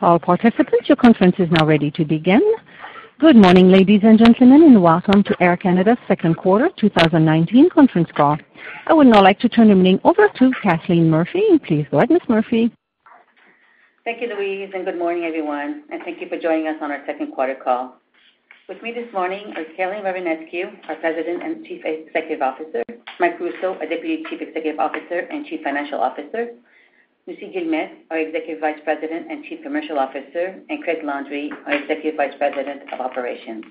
All participants, your conference is now ready to begin. Good morning, ladies and gentlemen, welcome to Air Canada's second quarter 2019 conference call. I would now like to turn the meeting over to Kathleen Murphy. Please go ahead, Ms. Murphy. Thank you, Louise. Good morning, everyone, and thank you for joining us on our second quarter call. With me this morning is Calin Rovinescu, our President and Chief Executive Officer, Mike Rousseau, our Deputy Chief Executive Officer and Chief Financial Officer, Lucie Guillemette, our Executive Vice President and Chief Commercial Officer, and Craig Landry, our Executive Vice President of Operations.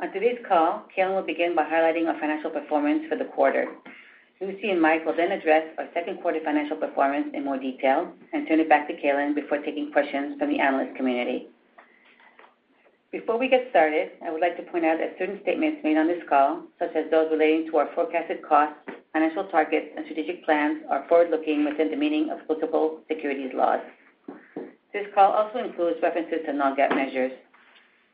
On today's call, Calin will begin by highlighting our financial performance for the quarter. Lucie and Mike will address our second quarter financial performance in more detail and turn it back to Calin before taking questions from the analyst community. Before we get started, I would like to point out that certain statements made on this call, such as those relating to our forecasted costs, financial targets, and strategic plans, are forward-looking within the meaning of applicable securities laws. This call also includes references to non-GAAP measures.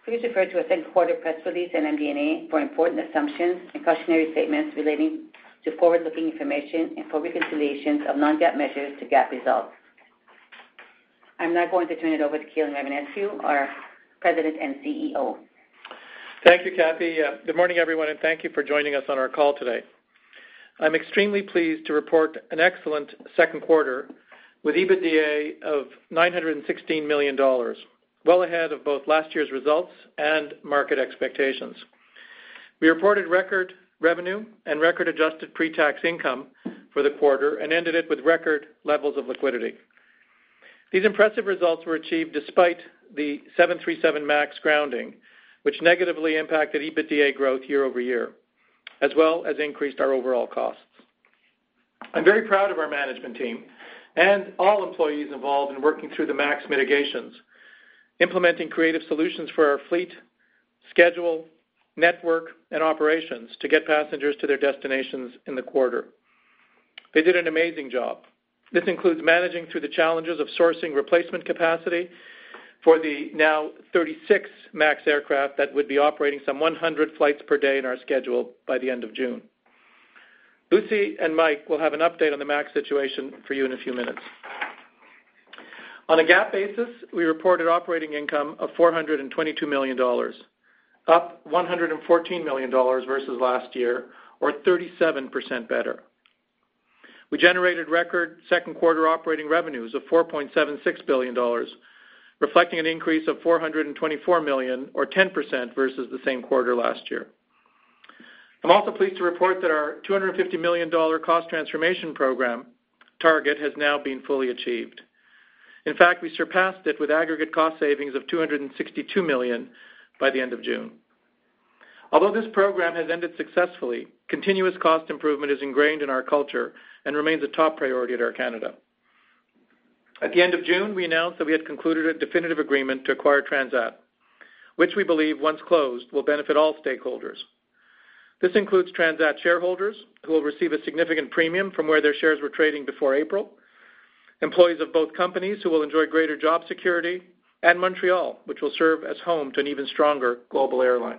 Please refer to our second quarter press release and MD&A for important assumptions and cautionary statements relating to forward-looking information and for reconciliations of non-GAAP measures to GAAP results. I'm now going to turn it over to Calin Rovinescu, our President and CEO. Thank you, Kathy. Good morning, everyone, and thank you for joining us on our call today. I'm extremely pleased to report an excellent second quarter with EBITDA of 916 million dollars, well ahead of both last year's results and market expectations. We reported record revenue and record adjusted pre-tax income for the quarter and ended it with record levels of liquidity. These impressive results were achieved despite the 737 MAX grounding, which negatively impacted EBITDA growth year-over-year, as well as increased our overall costs. I'm very proud of our management team and all employees involved in working through the MAX mitigations, implementing creative solutions for our fleet, schedule, network, and operations to get passengers to their destinations in the quarter. They did an amazing job. This includes managing through the challenges of sourcing replacement capacity for the now 36 MAX aircraft that would be operating some 100 flights per day in our schedule by the end of June. Lucie and Mike will have an update on the MAX situation for you in a few minutes. On a GAAP basis, we reported operating income of 422 million dollars, up 114 million dollars versus last year, or 37% better. We generated record second-quarter operating revenues of 4.76 billion dollars, reflecting an increase of 424 million or 10% versus the same quarter last year. I am also pleased to report that our 250 million dollar Cost Transformation Program target has now been fully achieved. In fact, we surpassed it with aggregate cost savings of 262 million by the end of June. Although this program has ended successfully, continuous cost improvement is ingrained in our culture and remains a top priority at Air Canada. At the end of June, we announced that we had concluded a definitive agreement to acquire Transat, which we believe, once closed, will benefit all stakeholders. This includes Transat shareholders, who will receive a significant premium from where their shares were trading before April, employees of both companies who will enjoy greater job security, and Montreal, which will serve as home to an even stronger global airline.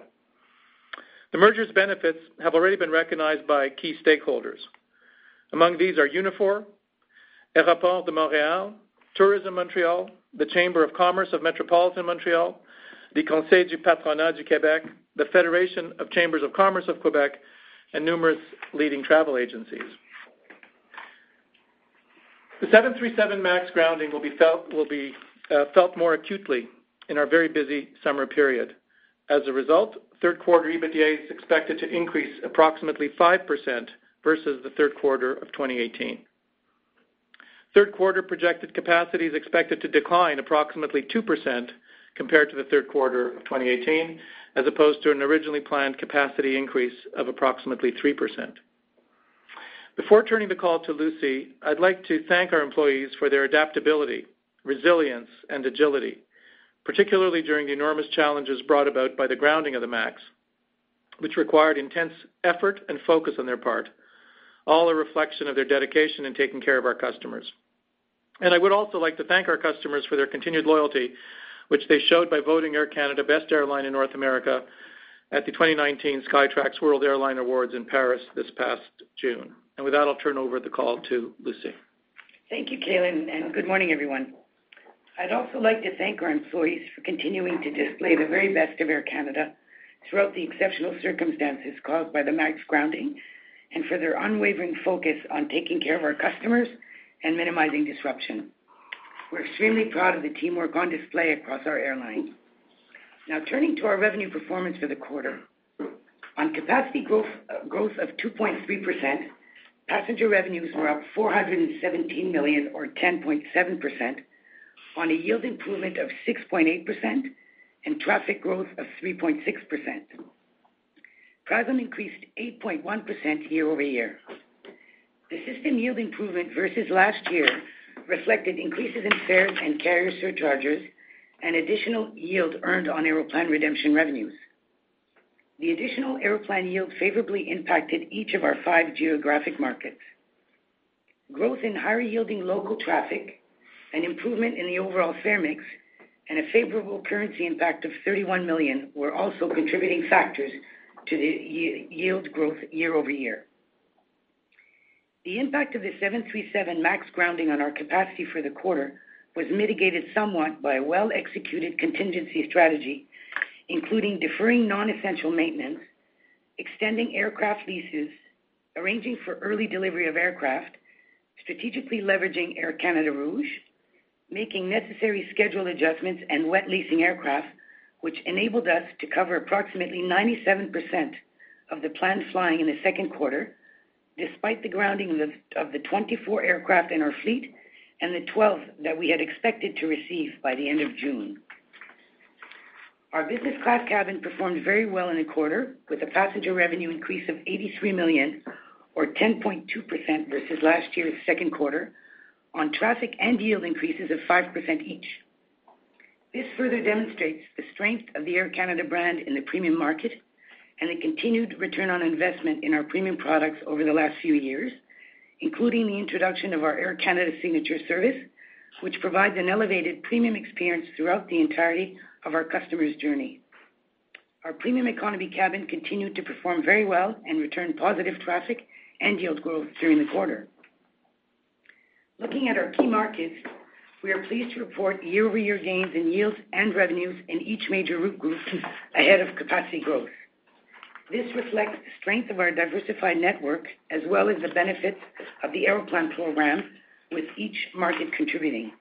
The merger's benefits have already been recognized by key stakeholders. Among these are Unifor, Aéroports de Montréal, Tourisme Montréal, the Chamber of Commerce of Metropolitan Montreal, the Conseil du patronat du Québec, the Fédération des chambres de commerce du Québec, and numerous leading travel agencies. The 737 MAX grounding will be felt more acutely in our very busy summer period. As a result, third-quarter EBITDA is expected to increase approximately 5% versus the third quarter of 2018. Third-quarter projected capacity is expected to decline approximately 2% compared to the third quarter of 2018, as opposed to an originally planned capacity increase of approximately 3%. Before turning the call to Lucie, I'd like to thank our employees for their adaptability, resilience, and agility, particularly during the enormous challenges brought about by the grounding of the MAX, which required intense effort and focus on their part, all a reflection of their dedication in taking care of our customers. I would also like to thank our customers for their continued loyalty, which they showed by voting Air Canada Best Airline in North America at the 2019 Skytrax World Airline Awards in Paris this past June. With that, I'll turn over the call to Lucie. Thank you, Calin. Good morning, everyone. I'd also like to thank our employees for continuing to display the very best of Air Canada throughout the exceptional circumstances caused by the MAX grounding and for their unwavering focus on taking care of our customers and minimizing disruption. We're extremely proud of the teamwork on display across our airline. Turning to our revenue performance for the quarter. On capacity growth of 2.3%, passenger revenues were up 417 million or 10.7% on a yield improvement of 6.8% and traffic growth of 3.6%. PRASM increased 8.1% year-over-year. The system yield improvement versus last year reflected increases in fares and carrier surcharges and additional yield earned on Aeroplan redemption revenues. The additional Aeroplan yield favorably impacted each of our five geographic markets. Growth in higher yielding local traffic, an improvement in the overall fare mix, and a favorable currency impact of 31 million were also contributing factors to the yield growth year-over-year. The impact of the 737 MAX grounding on our capacity for the quarter was mitigated somewhat by a well-executed contingency strategy, including deferring non-essential maintenance, extending aircraft leases, arranging for early delivery of aircraft, strategically leveraging Air Canada Rouge, making necessary schedule adjustments, and wet leasing aircraft, which enabled us to cover approximately 97% of the planned flying in the second quarter, despite the grounding of the 24 aircraft in our fleet and the 12 that we had expected to receive by the end of June. Our business class cabin performed very well in the quarter with a passenger revenue increase of 83 million or 10.2% versus last year's second quarter on traffic and yield increases of 5% each. This further demonstrates the strength of the Air Canada brand in the premium market and the continued return on investment in our premium products over the last few years, including the introduction of our Air Canada Signature Service, which provides an elevated premium experience throughout the entirety of our customers' journey. Our premium economy cabin continued to perform very well and returned positive traffic and yield growth during the quarter. Looking at our key markets, we are pleased to report year-over-year gains in yields and revenues in each major route group ahead of capacity growth. This reflects the strength of our diversified network as well as the benefits of the Aeroplan program, with each market contributing.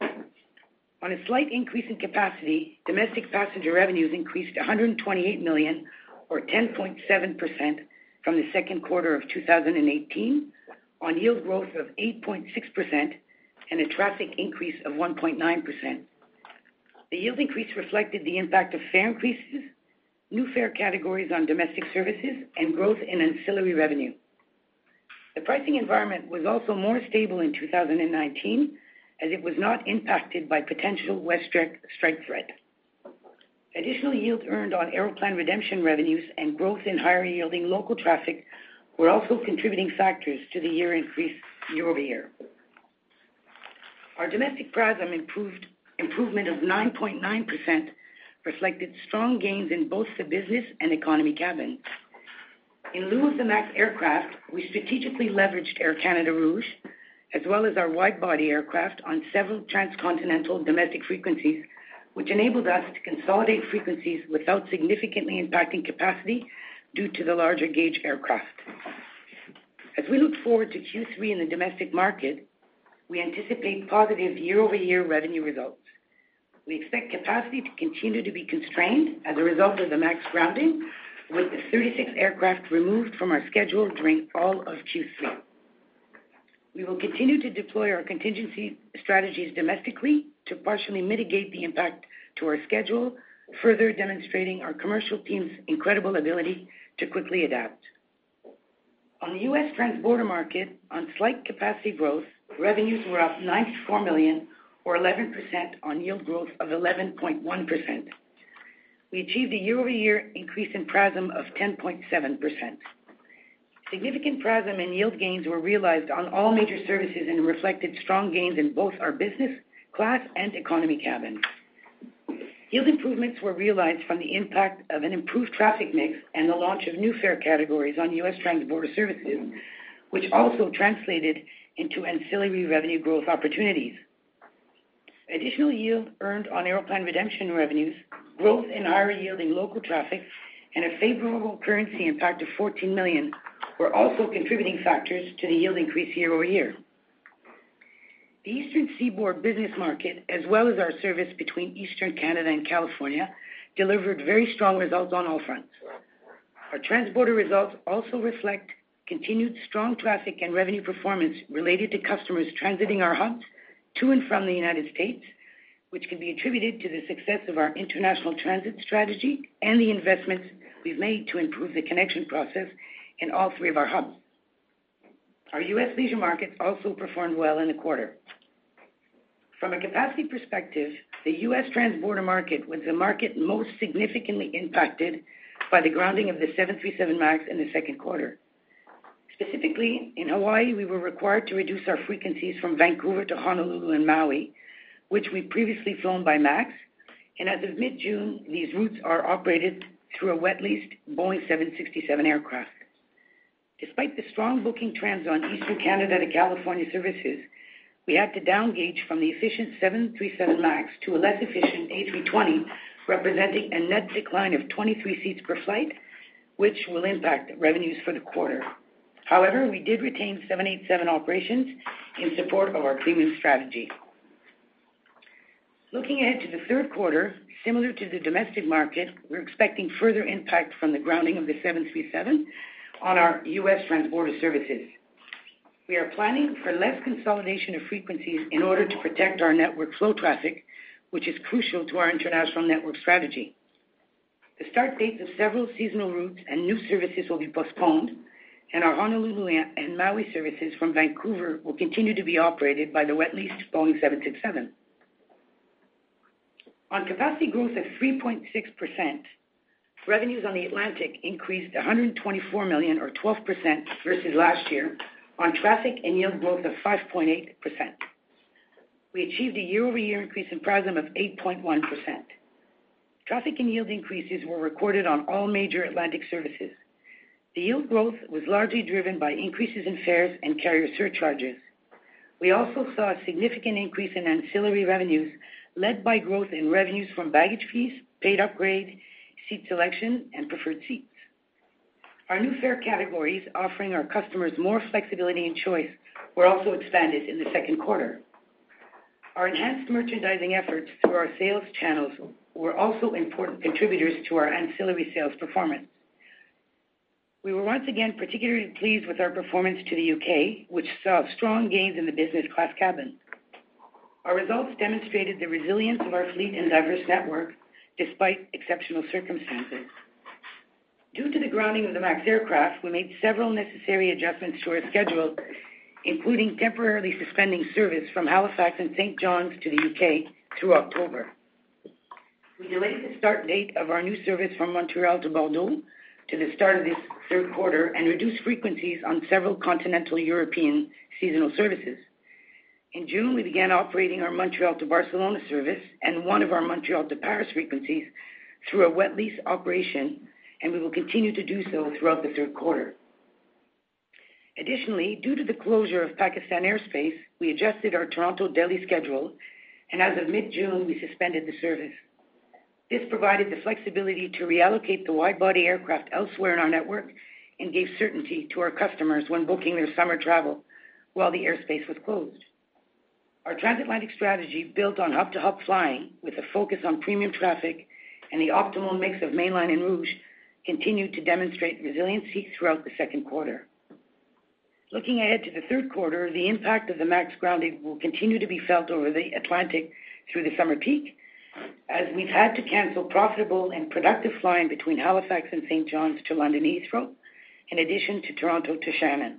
On a slight increase in capacity, domestic passenger revenues increased 128 million or 10.7% from the second quarter of 2018 on yield growth of 8.6% and a traffic increase of 1.9%. The yield increase reflected the impact of fare increases, new fare categories on domestic services, and growth in ancillary revenue. The pricing environment was also more stable in 2019, as it was not impacted by potential WestJet strike threat. Additional yield earned on Aeroplan redemption revenues and growth in higher yielding local traffic were also contributing factors to the year increase year-over-year. Our domestic PRASM improvement of 9.9% reflected strong gains in both the business and economy cabins. In lieu of the MAX aircraft, we strategically leveraged Air Canada Rouge as well as our wide-body aircraft on several transcontinental domestic frequencies, which enabled us to consolidate frequencies without significantly impacting capacity due to the larger gauge aircraft. As we look forward to Q3 in the domestic market, we anticipate positive year-over-year revenue results. We expect capacity to continue to be constrained as a result of the MAX grounding, with the 36 aircraft removed from our schedule during all of Q3. We will continue to deploy our contingency strategies domestically to partially mitigate the impact to our schedule, further demonstrating our commercial team's incredible ability to quickly adapt. On the US transborder market, on slight capacity growth, revenues were up 94 million or 11% on yield growth of 11.1%. We achieved a year-over-year increase in PRASM of 10.7%. Significant PRASM and yield gains were realized on all major services and reflected strong gains in both our business class and economy cabins. Yield improvements were realized from the impact of an improved traffic mix and the launch of new fare categories on U.S. transborder services, which also translated into ancillary revenue growth opportunities. Additional yield earned on Aeroplan redemption revenues, growth in higher yielding local traffic, and a favorable currency impact of 14 million were also contributing factors to the yield increase year-over-year. The Eastern Seaboard business market, as well as our service between Eastern Canada and California, delivered very strong results on all fronts. Our transborder results also reflect continued strong traffic and revenue performance related to customers transiting our hubs to and from the U.S., which can be attributed to the success of our international transit strategy and the investments we've made to improve the connection process in all three of our hubs. Our U.S. leisure markets also performed well in the quarter. From a capacity perspective, the U.S. transborder market was the market most significantly impacted by the grounding of the 737 MAX in the second quarter. Specifically, in Hawaii, we were required to reduce our frequencies from Vancouver to Honolulu and Maui, which we'd previously flown by MAX, and as of mid-June, these routes are operated through a wet leased Boeing 767 aircraft. Despite the strong booking trends on Eastern Canada to California services, we had to down gauge from the efficient 737 MAX to a less efficient A320, representing a net decline of 23 seats per flight, which will impact revenues for the quarter. However, we did retain 787 operations in support of our premium strategy. Looking ahead to the third quarter, similar to the domestic market, we're expecting further impact from the grounding of the 737 on our U.S. transborder services. We are planning for less consolidation of frequencies in order to protect our network flow traffic, which is crucial to our international network strategy. The start dates of several seasonal routes and new services will be postponed, and our Honolulu and Maui services from Vancouver will continue to be operated by the wet leased Boeing 767. On capacity growth of 3.6%, revenues on the Atlantic increased to 124 million or 12% versus last year on traffic and yield growth of 5.8%. We achieved a year-over-year increase in PRASM of 8.1%. Traffic and yield increases were recorded on all major Atlantic services. The yield growth was largely driven by increases in fares and carrier surcharges. We also saw a significant increase in ancillary revenues led by growth in revenues from baggage fees, paid upgrade, seat selection, and preferred seats. Our new fare categories offering our customers more flexibility and choice were also expanded in the second quarter. Our enhanced merchandising efforts through our sales channels were also important contributors to our ancillary sales performance. We were once again particularly pleased with our performance to the U.K., which saw strong gains in the business class cabin. Our results demonstrated the resilience of our fleet and diverse network despite exceptional circumstances. Due to the grounding of the MAX aircraft, we made several necessary adjustments to our schedule, including temporarily suspending service from Halifax and St. John's to the U.K. through October. We delayed the start date of our new service from Montreal to Bordeaux to the start of this third quarter and reduced frequencies on several continental European seasonal services. In June, we began operating our Montreal to Barcelona service and one of our Montreal to Paris frequencies through a wet lease operation, and we will continue to do so throughout the third quarter. Additionally, due to the closure of Pakistan airspace, we adjusted our Toronto-Delhi schedule, and as of mid-June, we suspended the service. This provided the flexibility to reallocate the wide-body aircraft elsewhere in our network and gave certainty to our customers when booking their summer travel while the airspace was closed. Our transatlantic strategy built on hub-to-hub flying with a focus on premium traffic and the optimal mix of mainline and Rouge continued to demonstrate resiliency throughout the second quarter. Looking ahead to the third quarter, the impact of the MAX grounding will continue to be felt over the Atlantic through the summer peak as we've had to cancel profitable and productive flying between Halifax and St. John's to London Heathrow, in addition to Toronto to Shannon.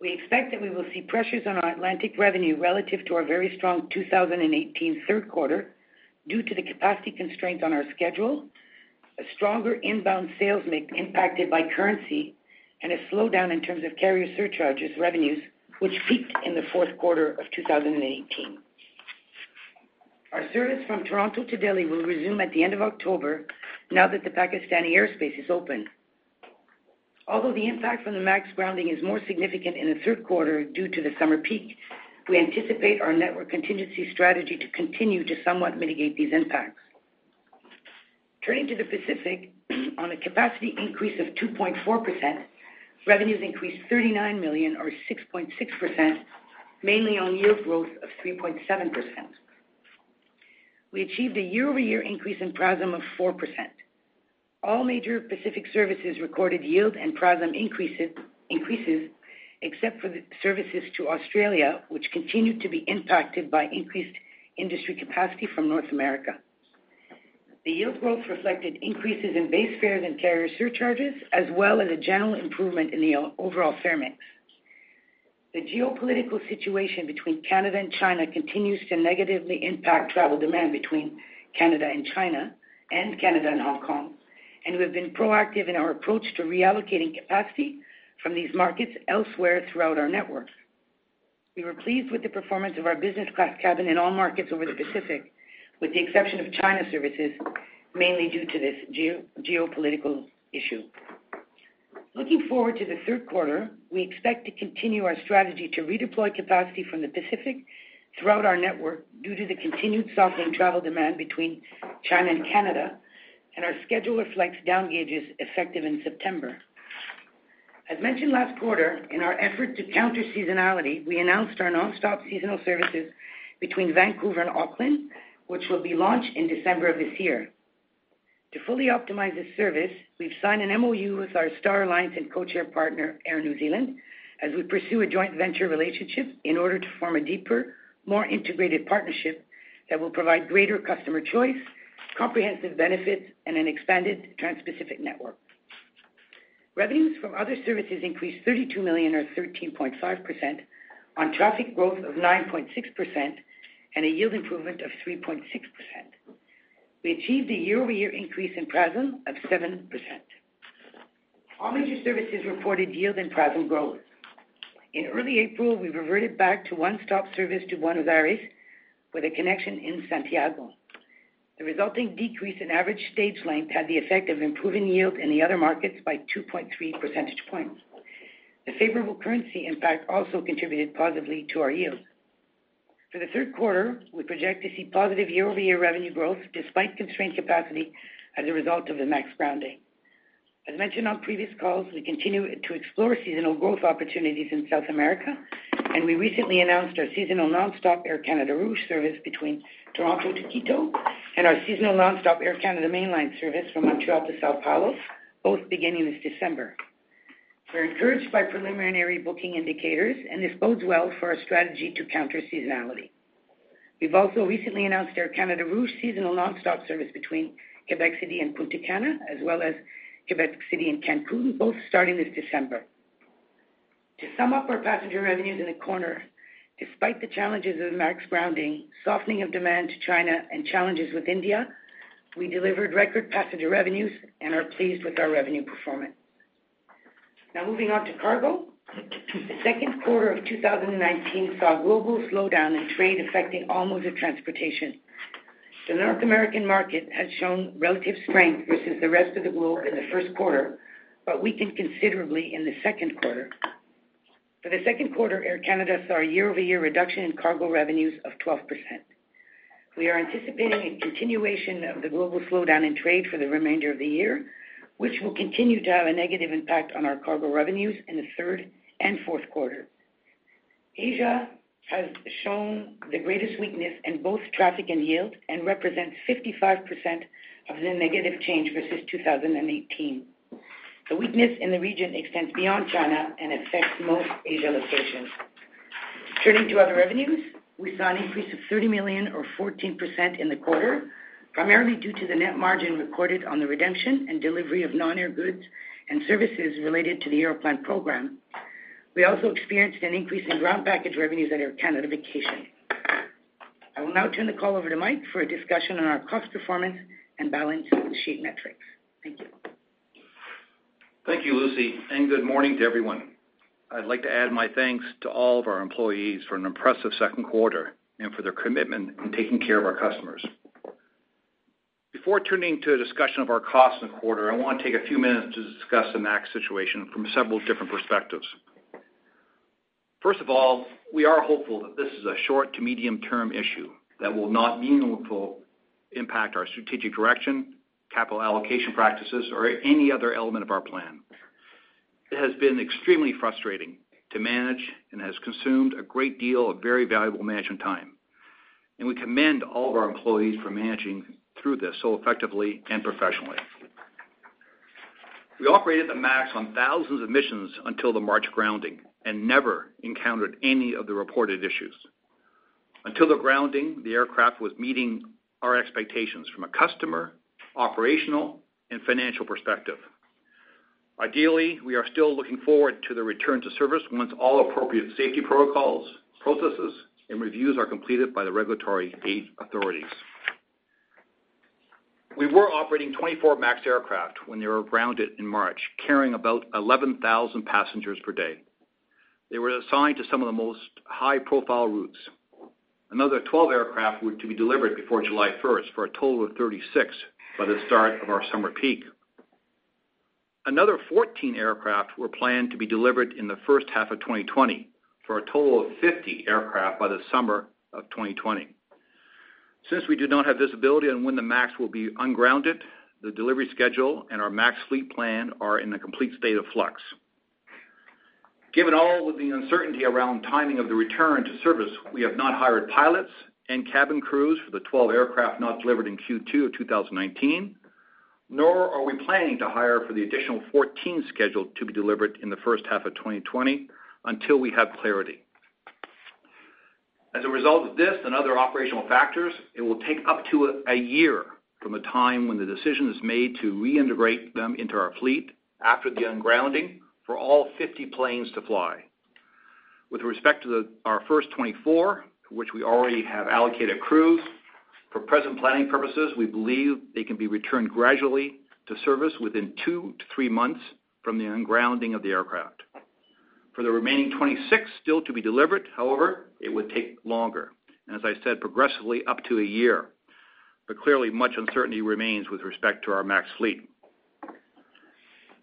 We expect that we will see pressures on our Atlantic revenue relative to our very strong 2018 third quarter due to the capacity constraints on our schedule, a stronger inbound sales mix impacted by currency, and a slowdown in terms of carrier surcharges revenues, which peaked in the fourth quarter of 2018. Our service from Toronto to Delhi will resume at the end of October now that the Pakistani airspace is open. Although the impact from the MAX grounding is more significant in the third quarter due to the summer peak, we anticipate our network contingency strategy to continue to somewhat mitigate these impacts. Turning to the Pacific, on a capacity increase of 2.4%, revenues increased 39 million or 6.6%, mainly on yield growth of 3.7%. We achieved a year-over-year increase in PRASM of 4%. All major Pacific services recorded yield and PRASM increases, except for the services to Australia, which continued to be impacted by increased industry capacity from North America. The yield growth reflected increases in base fares and carrier surcharges, as well as a general improvement in the overall fare mix. The geopolitical situation between Canada and China continues to negatively impact travel demand between Canada and China and Canada and Hong Kong, and we have been proactive in our approach to reallocating capacity from these markets elsewhere throughout our network. We were pleased with the performance of our business class cabin in all markets over the Pacific, with the exception of China services, mainly due to this geopolitical issue. Looking forward to the third quarter, we expect to continue our strategy to redeploy capacity from the Pacific throughout our network due to the continued softening travel demand between China and Canada, and our schedule reflects downgauges effective in September. As mentioned last quarter, in our effort to counter seasonality, we announced our non-stop seasonal services between Vancouver and Auckland, which will be launched in December of this year. To fully optimize this service, we've signed an MoU with our Star Alliance and co-chair partner, Air New Zealand, as we pursue a joint venture relationship in order to form a deeper, more integrated partnership that will provide greater customer choice, comprehensive benefits, and an expanded transpacific network. Revenues from other services increased 32 million or 13.5% on traffic growth of 9.6% and a yield improvement of 3.6%. We achieved a year-over-year increase in PRASM of 7%. All major services reported yield and PRASM growth. In early April, we reverted back to one-stop service to Buenos Aires with a connection in Santiago. The resulting decrease in average stage length had the effect of improving yield in the other markets by 2.3 percentage points. The favorable currency impact also contributed positively to our yield. For the third quarter, we project to see positive year-over-year revenue growth despite constrained capacity as a result of the MAX grounding. As mentioned on previous calls, we continue to explore seasonal growth opportunities in South America. We recently announced our seasonal non-stop Air Canada Rouge service between Toronto to Quito and our seasonal non-stop Air Canada mainline service from Montreal to São Paulo, both beginning this December. We're encouraged by preliminary booking indicators. This bodes well for our strategy to counter seasonality. We've also recently announced Air Canada Rouge seasonal non-stop service between Quebec City and Punta Cana, as well as Quebec City and Cancun, both starting this December. To sum up our passenger revenues in the quarter, despite the challenges of the MAX grounding, softening of demand to China, and challenges with India, we delivered record passenger revenues and are pleased with our revenue performance. Moving on to cargo. The second quarter of 2019 saw a global slowdown in trade affecting all modes of transportation. The North American market had shown relative strength versus the rest of the globe in the first quarter, weakened considerably in the second quarter. For the second quarter, Air Canada saw a year-over-year reduction in cargo revenues of 12%. We are anticipating a continuation of the global slowdown in trade for the remainder of the year, which will continue to have a negative impact on our cargo revenues in the third and fourth quarter. Asia has shown the greatest weakness in both traffic and yield and represents 55% of the negative change versus 2018. The weakness in the region extends beyond China and affects most Asia locations. Turning to other revenues, we saw an increase of 30 million or 14% in the quarter, primarily due to the net margin recorded on the redemption and delivery of non-air goods and services related to the Aeroplan program. We also experienced an increase in ground package revenues at Air Canada Vacations. I will now turn the call over to Mike for a discussion on our cost performance and balance sheet metrics. Thank you. Thank you, Lucie, and good morning to everyone. I'd like to add my thanks to all of our employees for an impressive second quarter and for their commitment in taking care of our customers. Before turning to a discussion of our costs in the quarter, I want to take a few minutes to discuss the MAX situation from several different perspectives. First of all, we are hopeful that this is a short to medium-term issue that will not meaningfully impact our strategic direction, capital allocation practices, or any other element of our plan. It has been extremely frustrating to manage and has consumed a great deal of very valuable management time, and we commend all of our employees for managing through this so effectively and professionally. We operated the MAX on thousands of missions until the March grounding and never encountered any of the reported issues. Until the grounding, the aircraft was meeting our expectations from a customer, operational, and financial perspective. Ideally, we are still looking forward to the return to service once all appropriate safety protocols, processes, and reviews are completed by the regulatory authorities. We were operating 24 MAX aircraft when they were grounded in March, carrying about 11,000 passengers per day. They were assigned to some of the most high-profile routes. Another 12 aircraft were to be delivered before July 1st for a total of 36 by the start of our summer peak. Another 14 aircraft were planned to be delivered in the first half of 2020, for a total of 50 aircraft by the summer of 2020. Since we do not have visibility on when the MAX will be ungrounded, the delivery schedule, and our MAX fleet plan are in a complete state of flux. Given all of the uncertainty around timing of the return to service, we have not hired pilots and cabin crews for the 12 aircraft not delivered in Q2 of 2019, nor are we planning to hire for the additional 14 scheduled to be delivered in the first half of 2020 until we have clarity. As a result of this and other operational factors, it will take up to a year from the time when the decision is made to reintegrate them into our fleet after the ungrounding for all 50 planes to fly. With respect to our first 24, which we already have allocated crews, for present planning purposes, we believe they can be returned gradually to service within two to three months from the ungrounding of the aircraft. For the remaining 26 still to be delivered, however, it would take longer, and as I said, progressively up to a year. Clearly, much uncertainty remains with respect to our MAX fleet.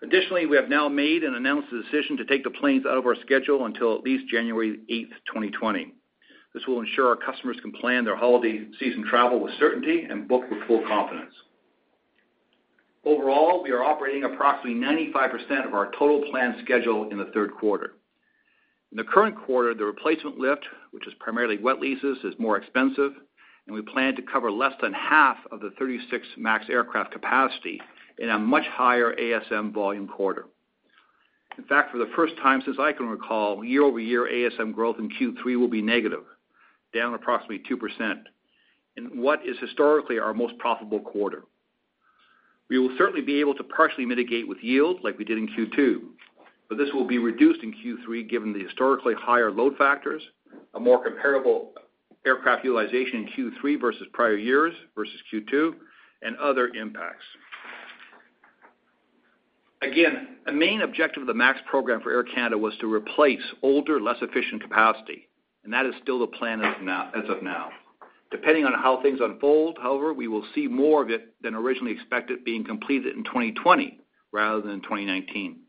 Additionally, we have now made and announced the decision to take the planes out of our schedule until at least January 8th, 2020. This will ensure our customers can plan their holiday season travel with certainty and book with full confidence. Overall, we are operating approximately 95% of our total planned schedule in the third quarter. In the current quarter, the replacement lift, which is primarily wet leases, is more expensive, and we plan to cover less than half of the 36 MAX aircraft capacity in a much higher ASM volume quarter. In fact, for the first time since I can recall, year-over-year ASM growth in Q3 will be negative, down approximately 2% in what is historically our most profitable quarter. We will certainly be able to partially mitigate with yield like we did in Q2, but this will be reduced in Q3 given the historically higher load factors, a more comparable aircraft utilization in Q3 versus prior years versus Q2, and other impacts. Again, a main objective of the MAX program for Air Canada was to replace older, less efficient capacity, and that is still the plan as of now. Depending on how things unfold, however, we will see more of it than originally expected being completed in 2020 rather than 2019.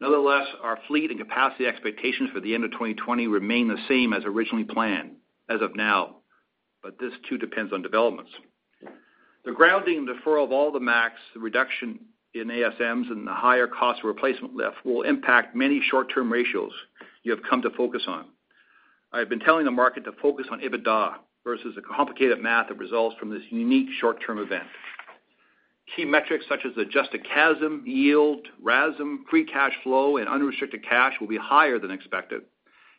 Nevertheless, our fleet and capacity expectations for the end of 2020 remain the same as originally planned as of now, but this too depends on developments. The grounding and deferral of all the MAX, the reduction in ASMs, and the higher cost of replacement lift will impact many short-term ratios you have come to focus on. I have been telling the market to focus on EBITDA versus the complicated math that results from this unique short-term event. Key metrics such as adjusted CASM, yield, RASM, free cash flow, and unrestricted cash will be higher than expected.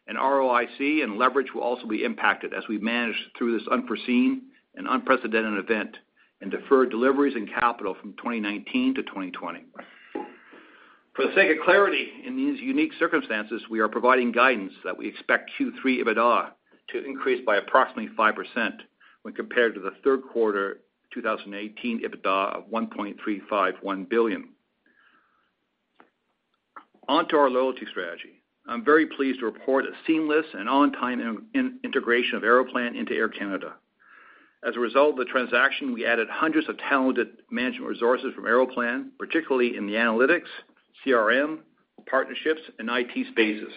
ROIC and leverage will also be impacted as we manage through this unforeseen and unprecedented event and defer deliveries and capital from 2019 to 2020. For the sake of clarity, in these unique circumstances, we are providing guidance that we expect Q3 EBITDA to increase by approximately 5% when compared to the third quarter 2018 EBITDA of 1.351 billion. On to our loyalty strategy. I'm very pleased to report a seamless and on-time integration of Aeroplan into Air Canada. As a result of the transaction, we added hundreds of talented management resources from Aeroplan, particularly in the analytics, CRM, partnerships, and IT spaces,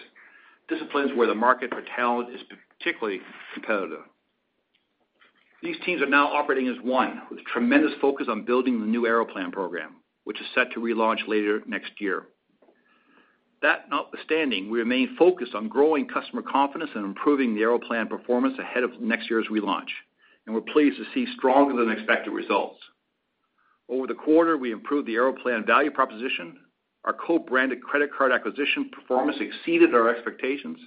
disciplines where the market for talent is particularly competitive. These teams are now operating as one with a tremendous focus on building the new Aeroplan program, which is set to relaunch later next year. That notwithstanding, we remain focused on growing customer confidence and improving the Aeroplan performance ahead of next year's relaunch. We're pleased to see stronger than expected results. Over the quarter, we improved the Aeroplan value proposition. Our co-branded credit card acquisition performance exceeded our expectations.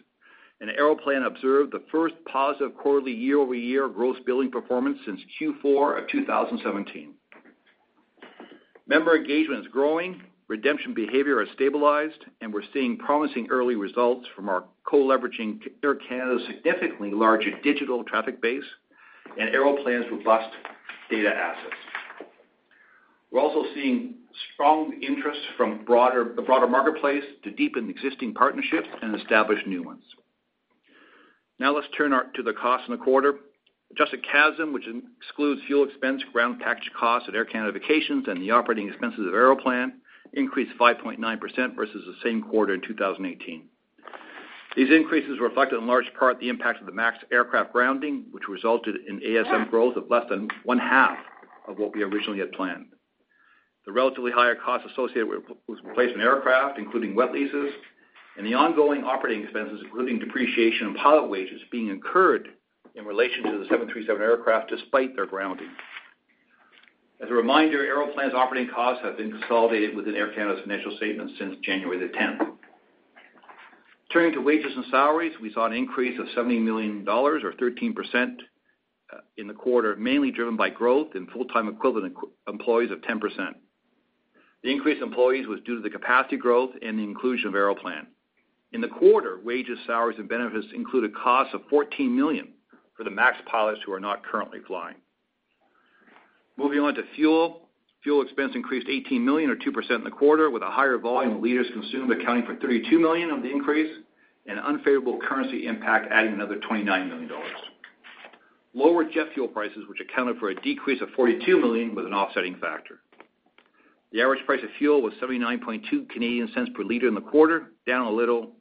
Aeroplan observed the first positive quarterly year-over-year gross billing performance since Q4 of 2017. Member engagement is growing, redemption behavior has stabilized. We're seeing promising early results from our co-leveraging Air Canada's significantly larger digital traffic base and Aeroplan's robust data assets. We're also seeing strong interest from the broader marketplace to deepen existing partnerships and establish new ones. Let's turn to the cost in the quarter. Adjusted CASM, which excludes fuel expense, ground pacakage costs at Air Canada Vacations, and the operating expenses of Aeroplan, increased 5.9% versus the same quarter in 2018. These increases reflected in large part the impact of the MAX aircraft grounding, which resulted in ASM growth of less than one half of what we originally had planned. The relatively higher costs associated with replacement aircraft, including wet leases, and the ongoing operating expenses, including depreciation and pilot wages being incurred in relation to the 737 aircraft, despite their grounding. As a reminder, Aeroplan's operating costs have been consolidated within Air Canada's financial statements since January the 10th. Turning to wages and salaries, we saw an increase of 70 million dollars or 13% in the quarter, mainly driven by growth in full-time equivalent employees of 10%. The increase in employees was due to the capacity growth and the inclusion of Aeroplan. In the quarter, wages, salaries, and benefits included costs of 14 million for the MAX pilots who are not currently flying. Moving on to fuel. Fuel expense increased 18 million or 2% in the quarter, with a higher volume of liters consumed, accounting for 32 million of the increase, and unfavorable currency impact adding another 29 million dollars. Lower jet fuel prices, which accounted for a decrease of 42 million, was an offsetting factor. The average price of fuel was 0.792 per liter in the quarter, down a little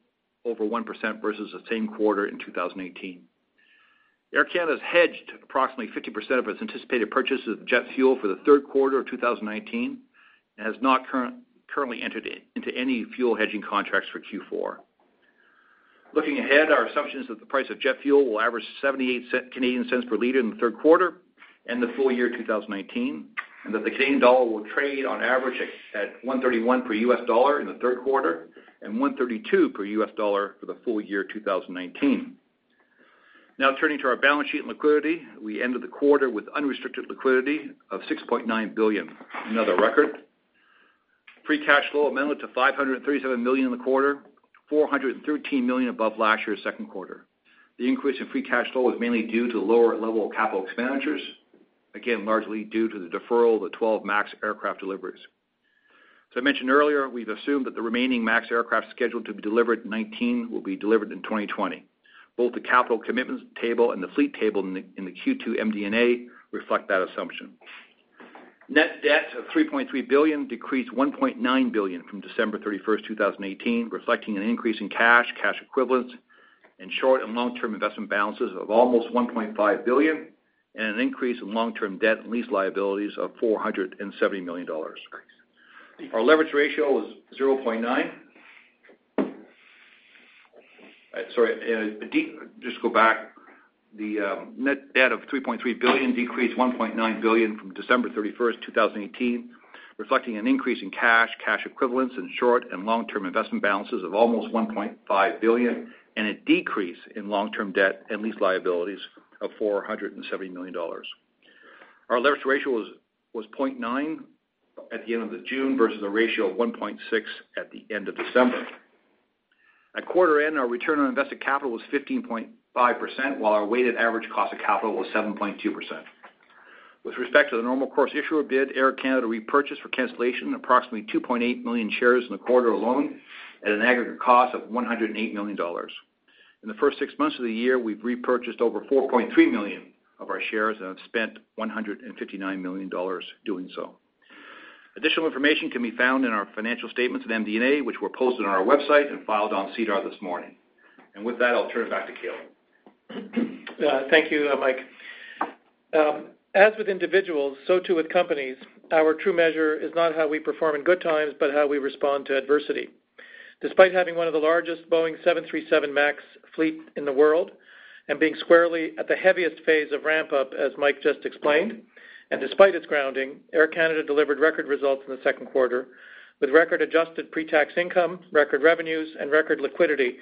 over 1% versus the same quarter in 2018. Air Canada has hedged approximately 50% of its anticipated purchases of jet fuel for the third quarter of 2019 and has not currently entered into any fuel hedging contracts for Q4. Looking ahead, our assumption is that the price of jet fuel will average 0.78 per liter in the third quarter and the full year 2019, and that the Canadian dollar will trade on average at 131 per U.S. dollar in the third quarter and 132 per U.S. dollar for the full year 2019. Now turning to our balance sheet and liquidity. We ended the quarter with unrestricted liquidity of 6.9 billion, another record. Free cash flow amounted to 537 million in the quarter, 413 million above last year's second quarter. The increase in free cash flow was mainly due to the lower level of capital expenditures, again, largely due to the deferral of the 12 MAX aircraft deliveries. As I mentioned earlier, we've assumed that the remaining MAX aircraft scheduled to be delivered in 2019 will be delivered in 2020. Both the capital commitments table and the fleet table in the Q2 MD&A reflect that assumption. Net debt of CAD 3.3 billion decreased CAD 1.9 billion from December 31st, 2018, reflecting an increase in cash equivalents, and short and long-term investment balances of almost CAD 1.5 billion, and an increase in long-term debt and lease liabilities of CAD 470 million. Our leverage ratio was 0.9. Sorry, just go back. The net debt of 3.3 billion decreased 1.9 billion from December 31st, 2018, reflecting an increase in cash equivalents, and short and long-term investment balances of almost 1.5 billion, and a decrease in long-term debt and lease liabilities of 470 million dollars. Our leverage ratio was 0.9 at the end of June versus a ratio of 1.6 at the end of December. At quarter end, our return on invested capital was 15.5%, while our weighted average cost of capital was 7.2%. With respect to the normal course issuer bid, Air Canada repurchased for cancellation approximately 2.8 million shares in the quarter alone at an aggregate cost of 108 million dollars. In the first six months of the year, we've repurchased over 4.3 million of our shares and have spent 159 million dollars doing so. Additional information can be found in our financial statements and MD&A, which were posted on our website and filed on SEDAR this morning. With that, I'll turn it back to Calin. Thank you, Mike. As with individuals, so too with companies, our true measure is not how we perform in good times, but how we respond to adversity. Despite having one of the largest Boeing 737 MAX fleets in the world. Being squarely at the heaviest phase of ramp-up, as Mike just explained, and despite its grounding, Air Canada delivered record results in the second quarter, with record adjusted pre-tax income, record revenues, and record liquidity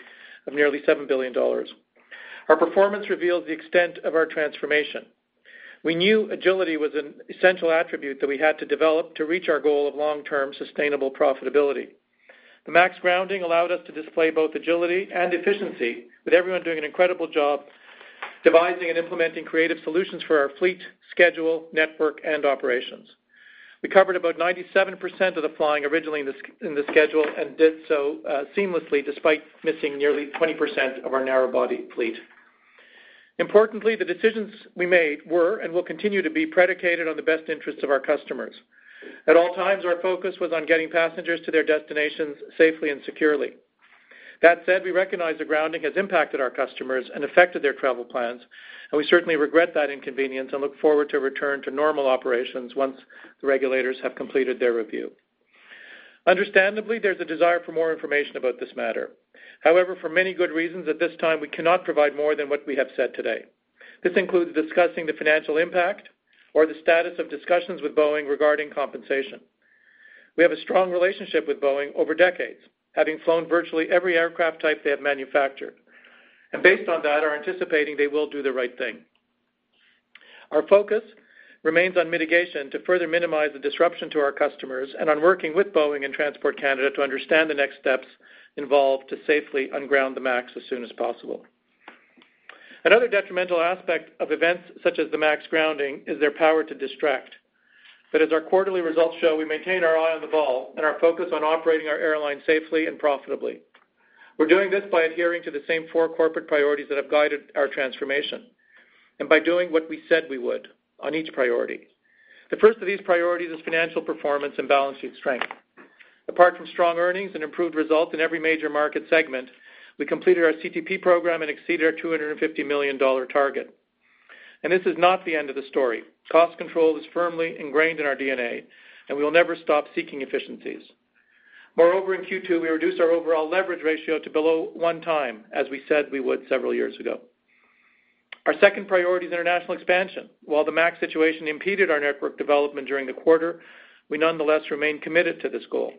of nearly 7 billion dollars. Our performance reveals the extent of our transformation. We knew agility was an essential attribute that we had to develop to reach our goal of long-term sustainable profitability. The MAX grounding allowed us to display both agility and efficiency, with everyone doing an incredible job devising and implementing creative solutions for our fleet, schedule, network, and operations. We covered about 97% of the flying originally in the schedule and did so seamlessly despite missing nearly 20% of our narrow-body fleet. Importantly, the decisions we made were and will continue to be predicated on the best interests of our customers. At all times, our focus was on getting passengers to their destinations safely and securely. That said, we recognize the grounding has impacted our customers and affected their travel plans, and we certainly regret that inconvenience and look forward to return to normal operations once the regulators have completed their review. Understandably, there's a desire for more information about this matter. However, for many good reasons, at this time, we cannot provide more than what we have said today. This includes discussing the financial impact or the status of discussions with Boeing regarding compensation. We have a strong relationship with Boeing over decades, having flown virtually every aircraft type they have manufactured, and based on that, are anticipating they will do the right thing. Our focus remains on mitigation to further minimize the disruption to our customers and on working with Boeing and Transport Canada to understand the next steps involved to safely unground the MAX as soon as possible. Another detrimental aspect of events such as the MAX grounding is their power to distract. As our quarterly results show, we maintain our eye on the ball and our focus on operating our airline safely and profitably. We're doing this by adhering to the same four corporate priorities that have guided our transformation and by doing what we said we would on each priority. The first of these priorities is financial performance and balancing strength. Apart from strong earnings and improved results in every major market segment, we completed our CTP program and exceeded our 250 million dollar target. This is not the end of the story. Cost control is firmly ingrained in our DNA, and we will never stop seeking efficiencies. Moreover, in Q2, we reduced our overall leverage ratio to below one time, as we said we would several years ago. Our second priority is international expansion. While the MAX situation impeded our network development during the quarter, we nonetheless remain committed to this goal.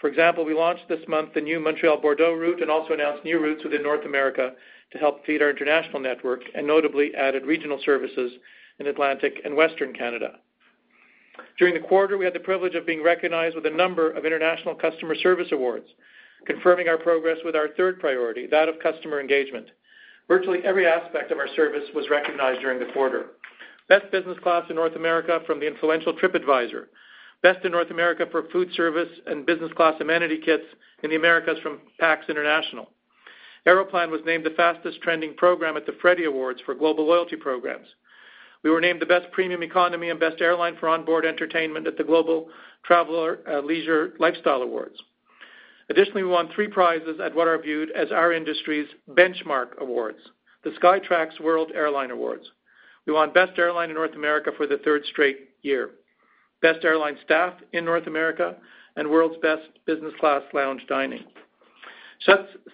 For example, we launched this month the new Montreal-Bordeaux route and also announced new routes within North America to help feed our international network and notably added regional services in Atlantic and Western Canada. During the quarter, we had the privilege of being recognized with a number of international customer service awards, confirming our progress with our third priority, that of customer engagement. Virtually every aspect of our service was recognized during the quarter. Best Business Class in North America from the influential TripAdvisor, Best in North America for Food Service and Business Class Amenity Kits in the Americas from PAX International. Aeroplan was named the fastest-trending program at the Freddie Awards for global loyalty programs. We were named the Best Premium Economy and Best Airline for Onboard Entertainment at the Global Traveler Leisure Lifestyle Awards. Additionally, we won three prizes at what are viewed as our industry's benchmark awards, the Skytrax World Airline Awards. We won Best Airline in North America for the third straight year, Best Airline Staff in North America, and World's Best Business Class Lounge Dining.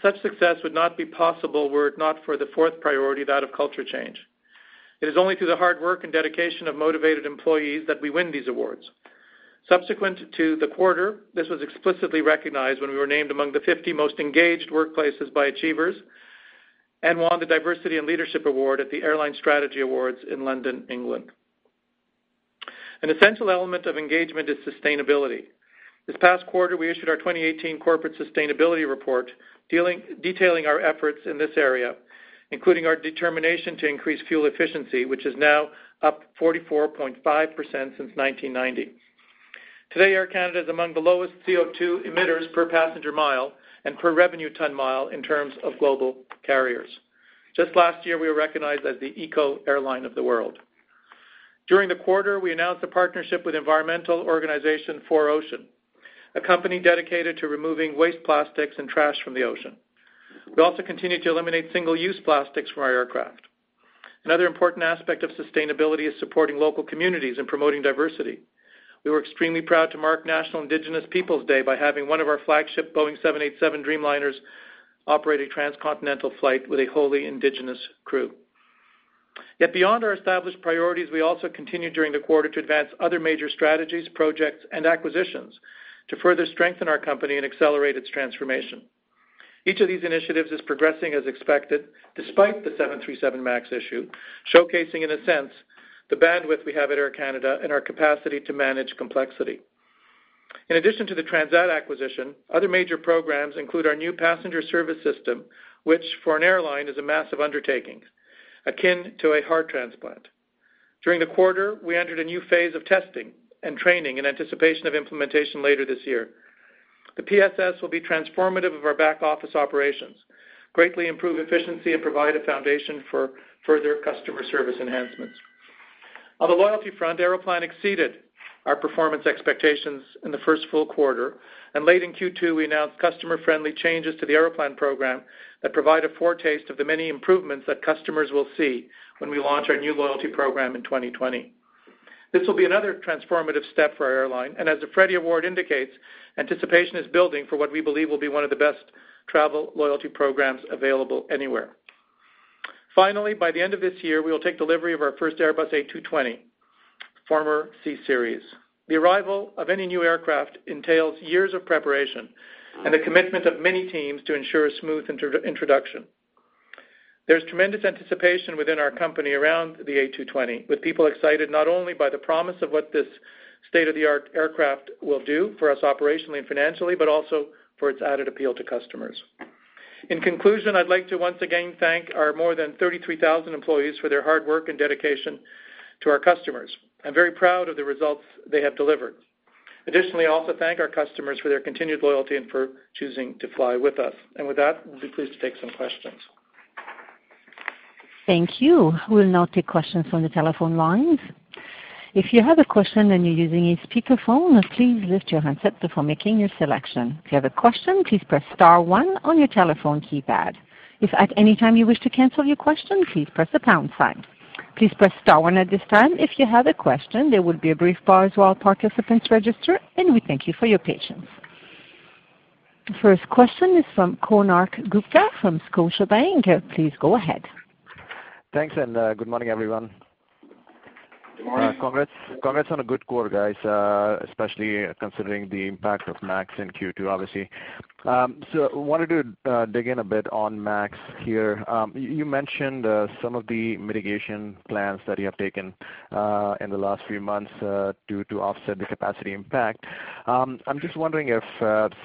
Such success would not be possible were it not for the fourth priority, that of culture change. It is only through the hard work and dedication of motivated employees that we win these awards. Subsequent to the quarter, this was explicitly recognized when we were named among the 50 most engaged workplaces by Achievers and won the Diversity and Leadership Award at the Airline Strategy Awards in London, England. An essential element of engagement is sustainability. This past quarter, we issued our 2018 corporate sustainability report, detailing our efforts in this area, including our determination to increase fuel efficiency, which is now up 44.5% since 1990. Today, Air Canada is among the lowest CO2 emitters per passenger mile and per revenue ton mile in terms of global carriers. Just last year, we were recognized as the Eco Airline of the World. During the quarter, we announced a partnership with environmental organization 4Ocean, a company dedicated to removing waste plastics and trash from the ocean. We also continue to eliminate single-use plastics from our aircraft. Another important aspect of sustainability is supporting local communities and promoting diversity. We were extremely proud to mark National Indigenous Peoples Day by having one of our flagship Boeing 787 Dreamliners operate a transcontinental flight with a wholly indigenous crew. Beyond our established priorities, we also continued during the quarter to advance other major strategies, projects, and acquisitions to further strengthen our company and accelerate its transformation. Each of these initiatives is progressing as expected despite the 737 MAX issue, showcasing in a sense, the bandwidth we have at Air Canada and our capacity to manage complexity. In addition to the Transat acquisition, other major programs include our new passenger service system, which for an airline is a massive undertaking, akin to a heart transplant. During the quarter, we entered a new phase of testing and training in anticipation of implementation later this year. The PSS will be transformative of our back-office operations, greatly improve efficiency, and provide a foundation for further customer service enhancements. On the loyalty front, Aeroplan exceeded our performance expectations in the first full quarter, and late in Q2, we announced customer-friendly changes to the Aeroplan program that provide a foretaste of the many improvements that customers will see when we launch our new loyalty program in 2020. This will be another transformative step for our airline, and as the Freddie Award indicates, anticipation is building for what we believe will be one of the best travel loyalty programs available anywhere. Finally, by the end of this year, we will take delivery of our first Airbus A220, former C Series. The arrival of any new aircraft entails years of preparation and the commitment of many teams to ensure a smooth introduction. There's tremendous anticipation within our company around the A220, with people excited not only by the promise of what this state-of-the-art aircraft will do for us operationally and financially, but also for its added appeal to customers. In conclusion, I'd like to once again thank our more than 33,000 employees for their hard work and dedication to our customers. I'm very proud of the results they have delivered. Additionally, I also thank our customers for their continued loyalty and for choosing to fly with us. With that, we'll be pleased to take some questions. Thank you. We will now take questions from the telephone lines. If you have a question and you are using a speakerphone, please lift your handset before making your selection. If you have a question, please press star one on your telephone keypad. If at any time you wish to cancel your question, please press the hash sign. Please press star one at this time if you have a question. There will be a brief pause while participants register, and we thank you for your patience. The first question is from Konark Gupta from Scotiabank. Please go ahead. Thanks, and good morning, everyone. Good morning. Congrats on a good quarter, guys, especially considering the impact of MAX in Q2, obviously. I wanted to dig in a bit on MAX here. You mentioned some of the mitigation plans that you have taken in the last few months to offset the capacity impact. I'm just wondering if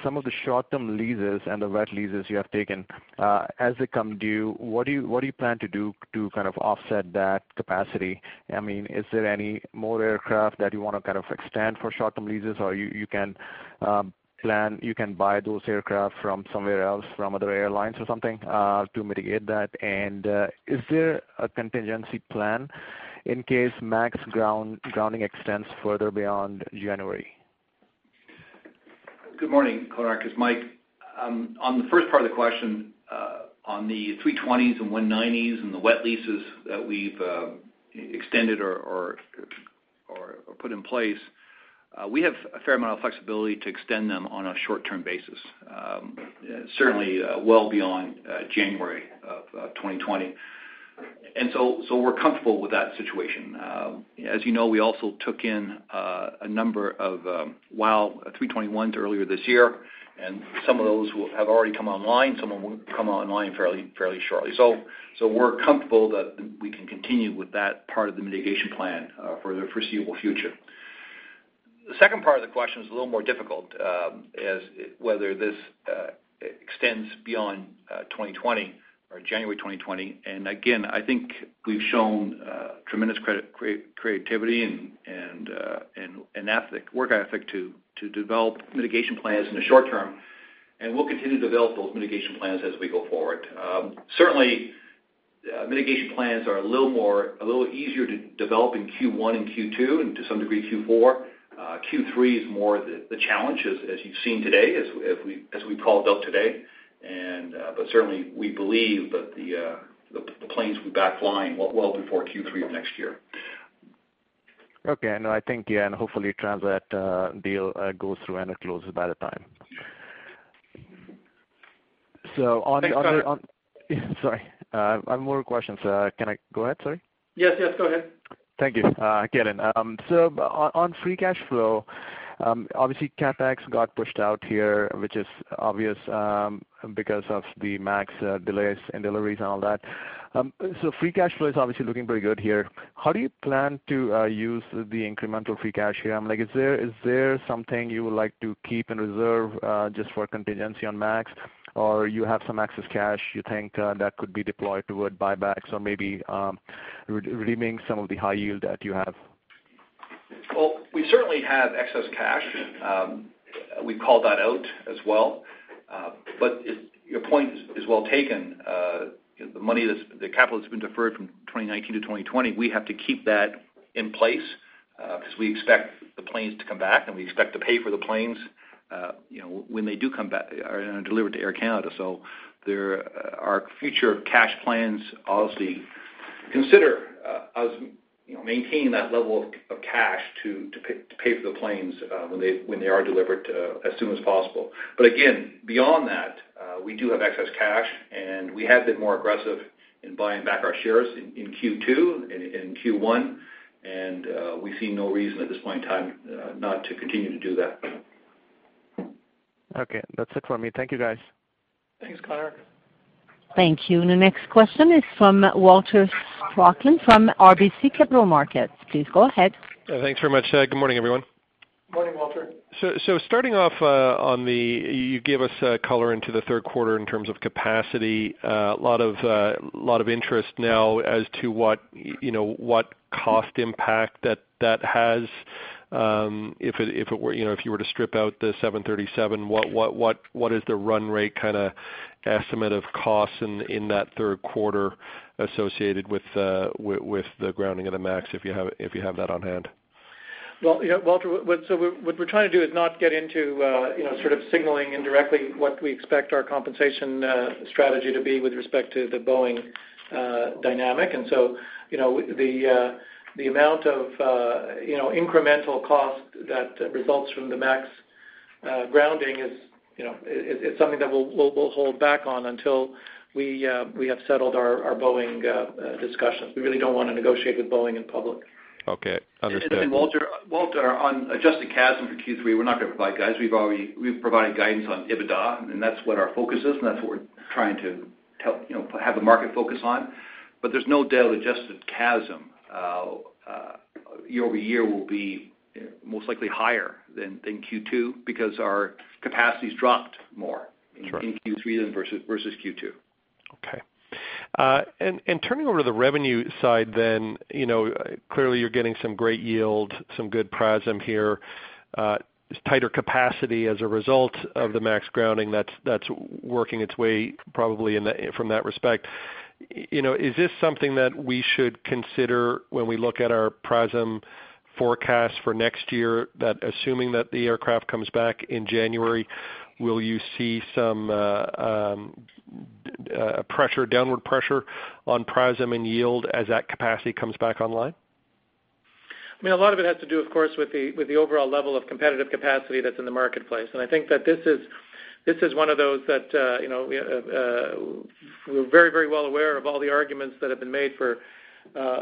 some of the short-term leases and the wet leases you have taken as they come due, what do you plan to do to offset that capacity? Is there any more aircraft that you want to extend for short-term leases, or you can buy those aircraft from somewhere else, from other airlines or something to mitigate that? Is there a contingency plan in case MAX grounding extends further beyond January? Good morning, Konark. It's Mike. On the first part of the question, on the A320s and E190s and the wet leases that we've extended or put in place, we have a fair amount of flexibility to extend them on a short-term basis, certainly well beyond January of 2020. We're comfortable with that situation. As you know, we also took in a number of WOW air A321s earlier this year, and some of those have already come online. Some of them will come online fairly shortly. We're comfortable that we can continue with that part of the mitigation plan for the foreseeable future. The second part of the question is a little more difficult, is whether this extends beyond 2020 or January 2020. Again, I think we've shown tremendous creativity and work ethic to develop mitigation plans in the short term, and we'll continue to develop those mitigation plans as we go forward. Certainly, mitigation plans are a little easier to develop in Q1 and Q2 and to some degree, Q4. Q3 is more the challenge as you've seen today, as we've called out today. Certainly, we believe that the planes will be back flying well before Q3 of next year. Okay. I think hopefully Transat deal goes through and it closes by that time. Thanks, Konark. Sorry. I have more questions. Can I go ahead, sorry? Yes. Go ahead. Thank you. Again, on free cash flow, obviously CapEx got pushed out here, which is obvious because of the MAX delays in deliveries and all that. Free cash flow is obviously looking pretty good here. How do you plan to use the incremental free cash here? Is there something you would like to keep in reserve just for contingency on MAX? You have some excess cash you think that could be deployed toward buybacks or maybe redeeming some of the high yield that you have? Well, we certainly have excess cash. We called that out as well. Your point is well taken. The capital that's been deferred from 2019 to 2020, we have to keep that in place because we expect the planes to come back, and we expect to pay for the planes when they do come back and are delivered to Air Canada. There are future cash plans, obviously, consider us maintaining that level of cash to pay for the planes when they are delivered as soon as possible. Again, beyond that, we do have excess cash, and we have been more aggressive in buying back our shares in Q2 and Q1, and we see no reason at this point in time not to continue to do that. Okay. That's it for me. Thank you, guys. Thanks, Konark. Thank you. The next question is from Walter Spracklin from RBC Capital Markets. Please go ahead. Thanks very much. Good morning, everyone. Morning, Walter. Starting off, you gave us color into the third quarter in terms of capacity. A lot of interest now as to what cost impact that has. If you were to strip out the 737, what is the run rate estimate of costs in that third quarter associated with the grounding of the MAX, if you have that on hand? Walter, what we're trying to do is not get into sort of signaling indirectly what we expect our compensation strategy to be with respect to the Boeing dynamic. The amount of incremental cost that results from the MAX grounding is something that we'll hold back on until we have settled our Boeing discussions. We really don't want to negotiate with Boeing in public. Okay. Understood. Walter, on adjusted CASM for Q3, we're not going to provide guides. We've provided guidance on EBITDA, and that's what our focus is, and that's what we're trying to have the market focus on. There's no doubt adjusted CASM year-over-year will be most likely higher than Q2 because our capacity's dropped more. Sure. In Q3 versus Q2. Okay. Turning over to the revenue side, clearly you're getting some great yield, some good PRASM here. There's tighter capacity as a result of the MAX grounding that's working its way probably from that respect. Is this something that we should consider when we look at our PRASM forecast for next year, that assuming that the aircraft comes back in January, will you see some downward pressure on PRASM and yield as that capacity comes back online? A lot of it has to do, of course, with the overall level of competitive capacity that's in the marketplace. I think that this is one of those that we're very well aware of all the arguments that have been made for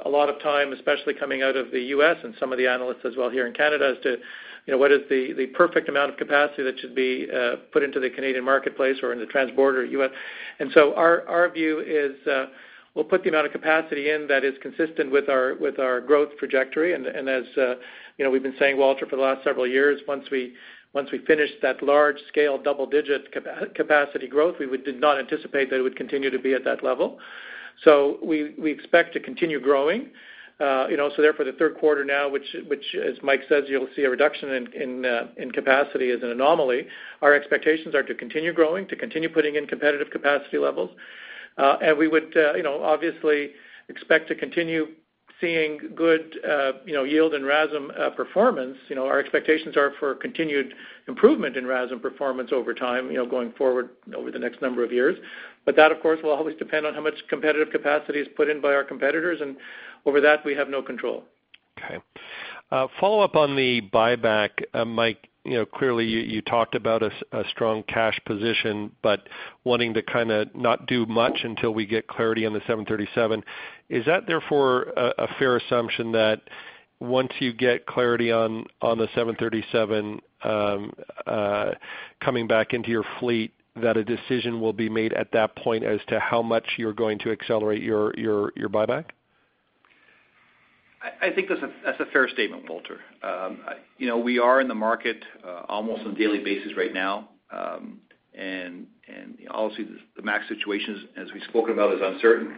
a lot of time, especially coming out of the U.S. and some of the analysts as well here in Canada as to, what is the perfect amount of capacity that should be put into the Canadian marketplace or in the transborder U.S. Our view is we'll put the amount of capacity in that is consistent with our growth trajectory, and as we've been saying, Walter, for the last several years, once we finish that large-scale double-digit capacity growth, we did not anticipate that it would continue to be at that level. We expect to continue growing. Therefore the third quarter now, which as Mike says, you'll see a reduction in capacity as an anomaly. Our expectations are to continue growing, to continue putting in competitive capacity levels. We would obviously expect to continue seeing good yield and RASM performance. Our expectations are for continued improvement in RASM performance over time going forward over the next number of years. That, of course, will always depend on how much competitive capacity is put in by our competitors, and over that, we have no control. A follow-up on the buyback, Mike, clearly you talked about a strong cash position, but wanting to kind of not do much until we get clarity on the 737. Is that therefore a fair assumption that once you get clarity on the 737 coming back into your fleet, that a decision will be made at that point as to how much you're going to accelerate your buyback? I think that's a fair statement, Walter. We are in the market almost on a daily basis right now. Obviously, the MAX situation, as we've spoken about, is uncertain.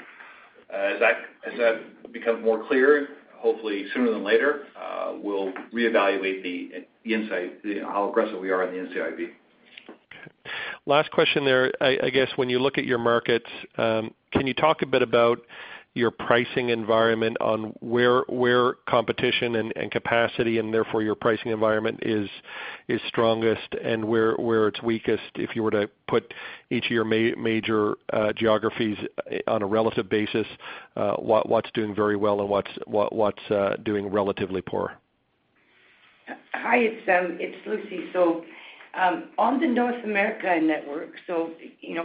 As that becomes more clear, hopefully sooner than later, we'll reevaluate how aggressive we are on the NCIB. Okay. Last question there. I guess when you look at your markets, can you talk a bit about your pricing environment on where competition and capacity and therefore your pricing environment is strongest and where it's weakest if you were to put each of your major geographies on a relative basis, what's doing very well and what's doing relatively poor? Hi, it's Lucie. On the North America network,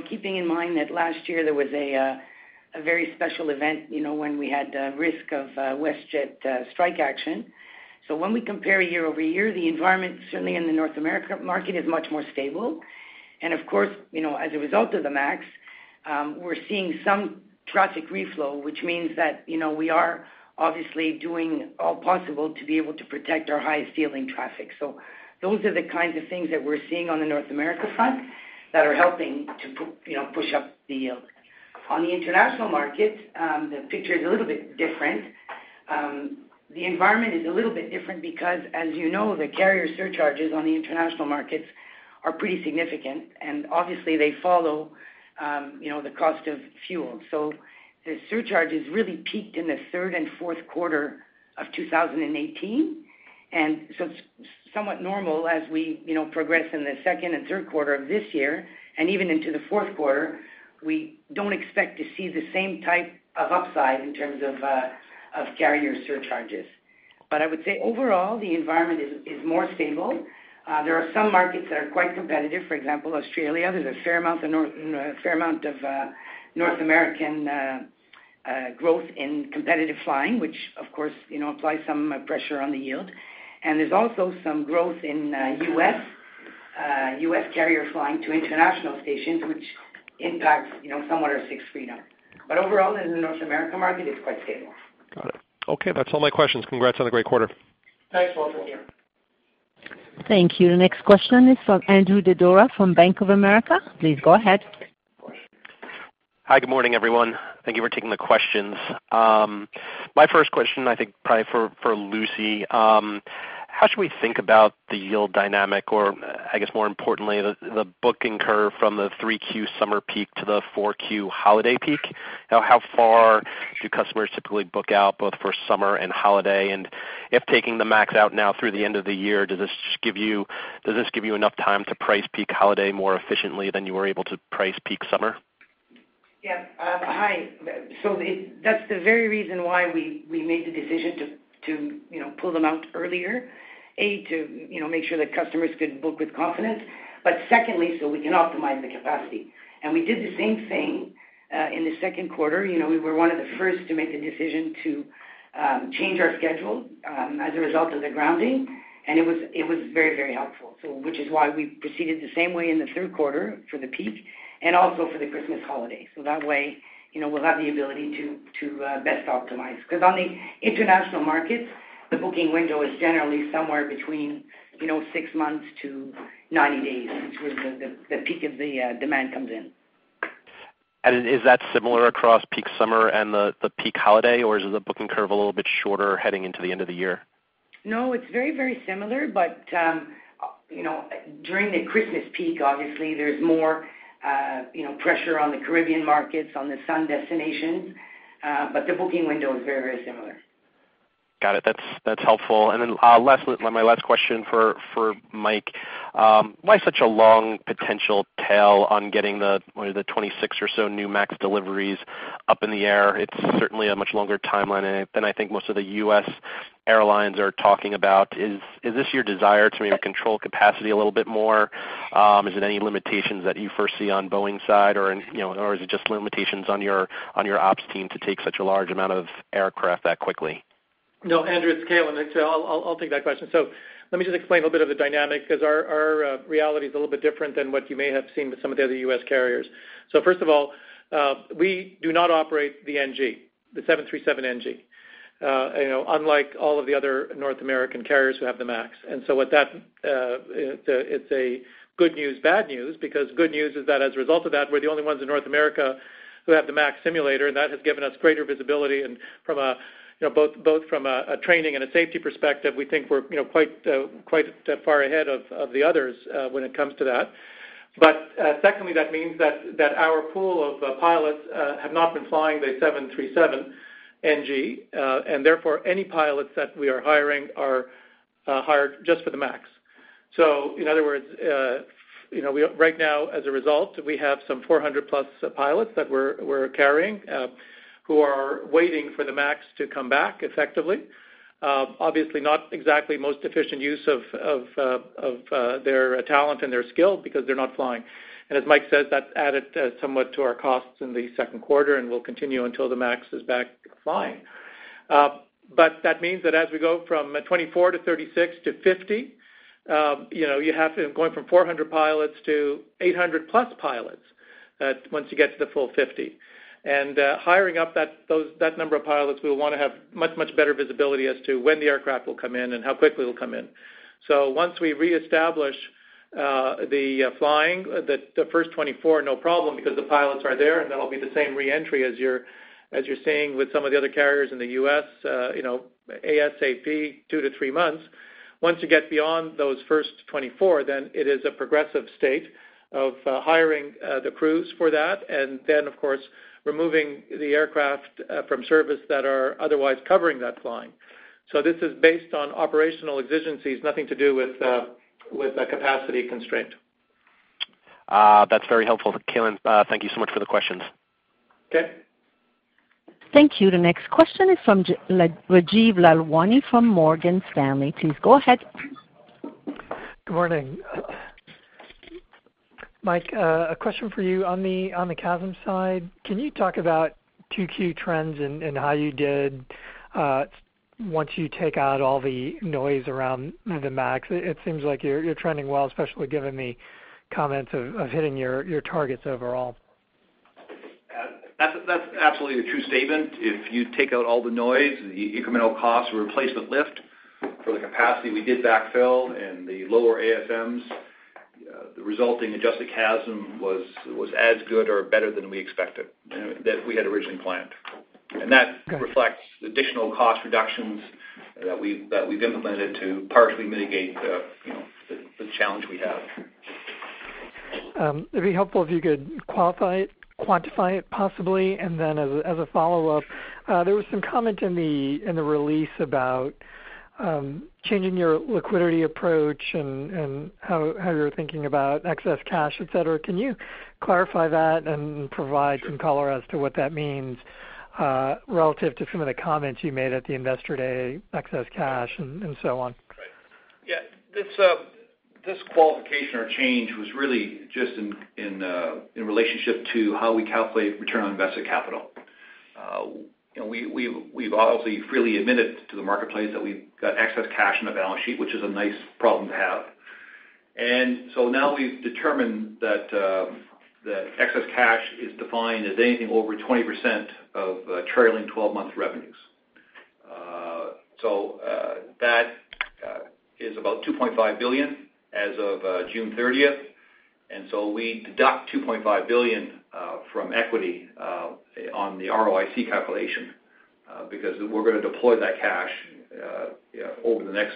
keeping in mind that last year there was a very special event, when we had a risk of WestJet strike action. When we compare year-over-year, the environment certainly in the North America market is much more stable. Of course, as a result of the MAX, we're seeing some traffic reflow, which means that we are obviously doing all possible to be able to protect our highest yielding traffic. Those are the kinds of things that we're seeing on the North America front that are helping to push up the yield. On the international markets, the picture is a little bit different. The environment is a little bit different because, as you know, the carrier surcharges on the international markets are pretty significant, and obviously they follow the cost of fuel. The surcharges really peaked in the third and fourth quarter of 2018. It's somewhat normal as we progress in the second and third quarter of this year, and even into the fourth quarter, we don't expect to see the same type of upside in terms of carrier surcharges. I would say overall, the environment is more stable. There are some markets that are quite competitive. For example, Australia, there's a fair amount of North American growth in competitive flying, which of course applies some pressure on the yield. There's also some growth in U.S. carrier flying to international stations, which impacts somewhat our sixth freedom. Overall, in the North America market, it's quite stable. Got it. Okay. That's all my questions. Congrats on a great quarter. Thanks, Walter. Thank you. The next question is from Andrew Didora from Bank of America. Please go ahead. Hi, good morning, everyone. Thank you for taking the questions. My first question, I think probably for Lucie. How should we think about the yield dynamic, or I guess more importantly, the booking curve from the 3Q summer peak to the 4Q holiday peak? How far do customers typically book out, both for summer and holiday? If taking the MAX out now through the end of the year, does this give you enough time to price peak holiday more efficiently than you were able to price peak summer? Yeah. Hi. That's the very reason why we made the decision to pull them out earlier. A, to make sure that customers could book with confidence, but secondly, so we can optimize the capacity. We did the same thing in the second quarter. We were one of the first to make the decision to change our schedule as a result of the grounding, and it was very helpful. Which is why we proceeded the same way in the third quarter for the peak and also for the Christmas holiday. That way, we'll have the ability to best optimize. Because on the international markets, the booking window is generally somewhere between six months to 90 days, which was the peak of the demand comes in. Is that similar across peak summer and the peak holiday, or is the booking curve a little bit shorter heading into the end of the year? No, it's very similar, but during the Christmas peak, obviously, there's more pressure on the Caribbean markets, on the sun destinations, but the booking window is very similar. Got it. That's helpful. My last question for Mike, why such a long potential tail on getting the 26 or so new MAX deliveries up in the air? It's certainly a much longer timeline than I think most of the U.S. airlines are talking about. Is this your desire to maybe control capacity a little bit more? Is it any limitations that you foresee on Boeing's side, or is it just limitations on your ops team to take such a large amount of aircraft that quickly? No, Andrew, it's Calin. I'll take that question. Let me just explain a little bit of the dynamic, because our reality is a little bit different than what you may have seen with some of the other U.S. carriers. First of all, we do not operate the NG, the 737 NG, unlike all of the other North American carriers who have the MAX. It's a good news, bad news, because good news is that as a result of that, we're the only ones in North America who have the MAX simulator, and that has given us greater visibility both from a training and a safety perspective. We think we're quite far ahead of the others when it comes to that. Secondly, that means that our pool of pilots have not been flying the 737 NG, and therefore, any pilots that we are hiring are hired just for the MAX. In other words, right now as a result, we have some 400+ pilots that we're carrying who are waiting for the MAX to come back effectively. Obviously not exactly most efficient use of their talent and their skill because they're not flying. As Mike says, that added somewhat to our costs in the second quarter and will continue until the MAX is back flying. That means that as we go from 24 to 36 to 50, you have to go from 400 pilots to 800+ pilots once you get to the full 50. Hiring up that number of pilots, we will want to have much better visibility as to when the aircraft will come in and how quickly it'll come in. Once we reestablish the flying, the first 24, no problem, because the pilots are there, and that'll be the same re-entry as you're seeing with some of the other carriers in the U.S., ASAP, two to three months. Once you get beyond those first 24, it is a progressive state of hiring the crews for that and then, of course, removing the aircraft from service that are otherwise covering that flying. This is based on operational exigencies, nothing to do with a capacity constraint. That's very helpful, Calin. Thank you so much for the questions. Okay. Thank you. The next question is from Rajeev Lalwani from Morgan Stanley. Please go ahead. Good morning. Mike, a question for you on the CASM side. Can you talk about 2Q trends and how you did once you take out all the noise around the MAX? It seems like you're trending well, especially given the comments of hitting your targets overall. That's absolutely a true statement. If you take out all the noise, the incremental costs to replace the lift for the capacity we did backfill and the lower ASMs, the resulting adjusted CASM was as good or better than we expected, that we had originally planned. Got it. That reflects the additional cost reductions that we've implemented to partially mitigate the challenge we have. It'd be helpful if you could quantify it possibly, and then as a follow-up, there was some comment in the release about changing your liquidity approach and how you're thinking about excess cash, et cetera. Can you clarify that and provide some color as to what that means relative to some of the comments you made at the Investor Day, excess cash and so on? Right. Yeah. This qualification or change was really just in relationship to how we calculate return on invested capital. We've obviously freely admitted to the marketplace that we've got excess cash on the balance sheet, which is a nice problem to have. Now we've determined that excess cash is defined as anything over 20% of trailing 12-month revenues. That is about 2.5 billion as of June 30th. We deduct 2.5 billion from equity on the ROIC calculation because we're going to deploy that cash over the next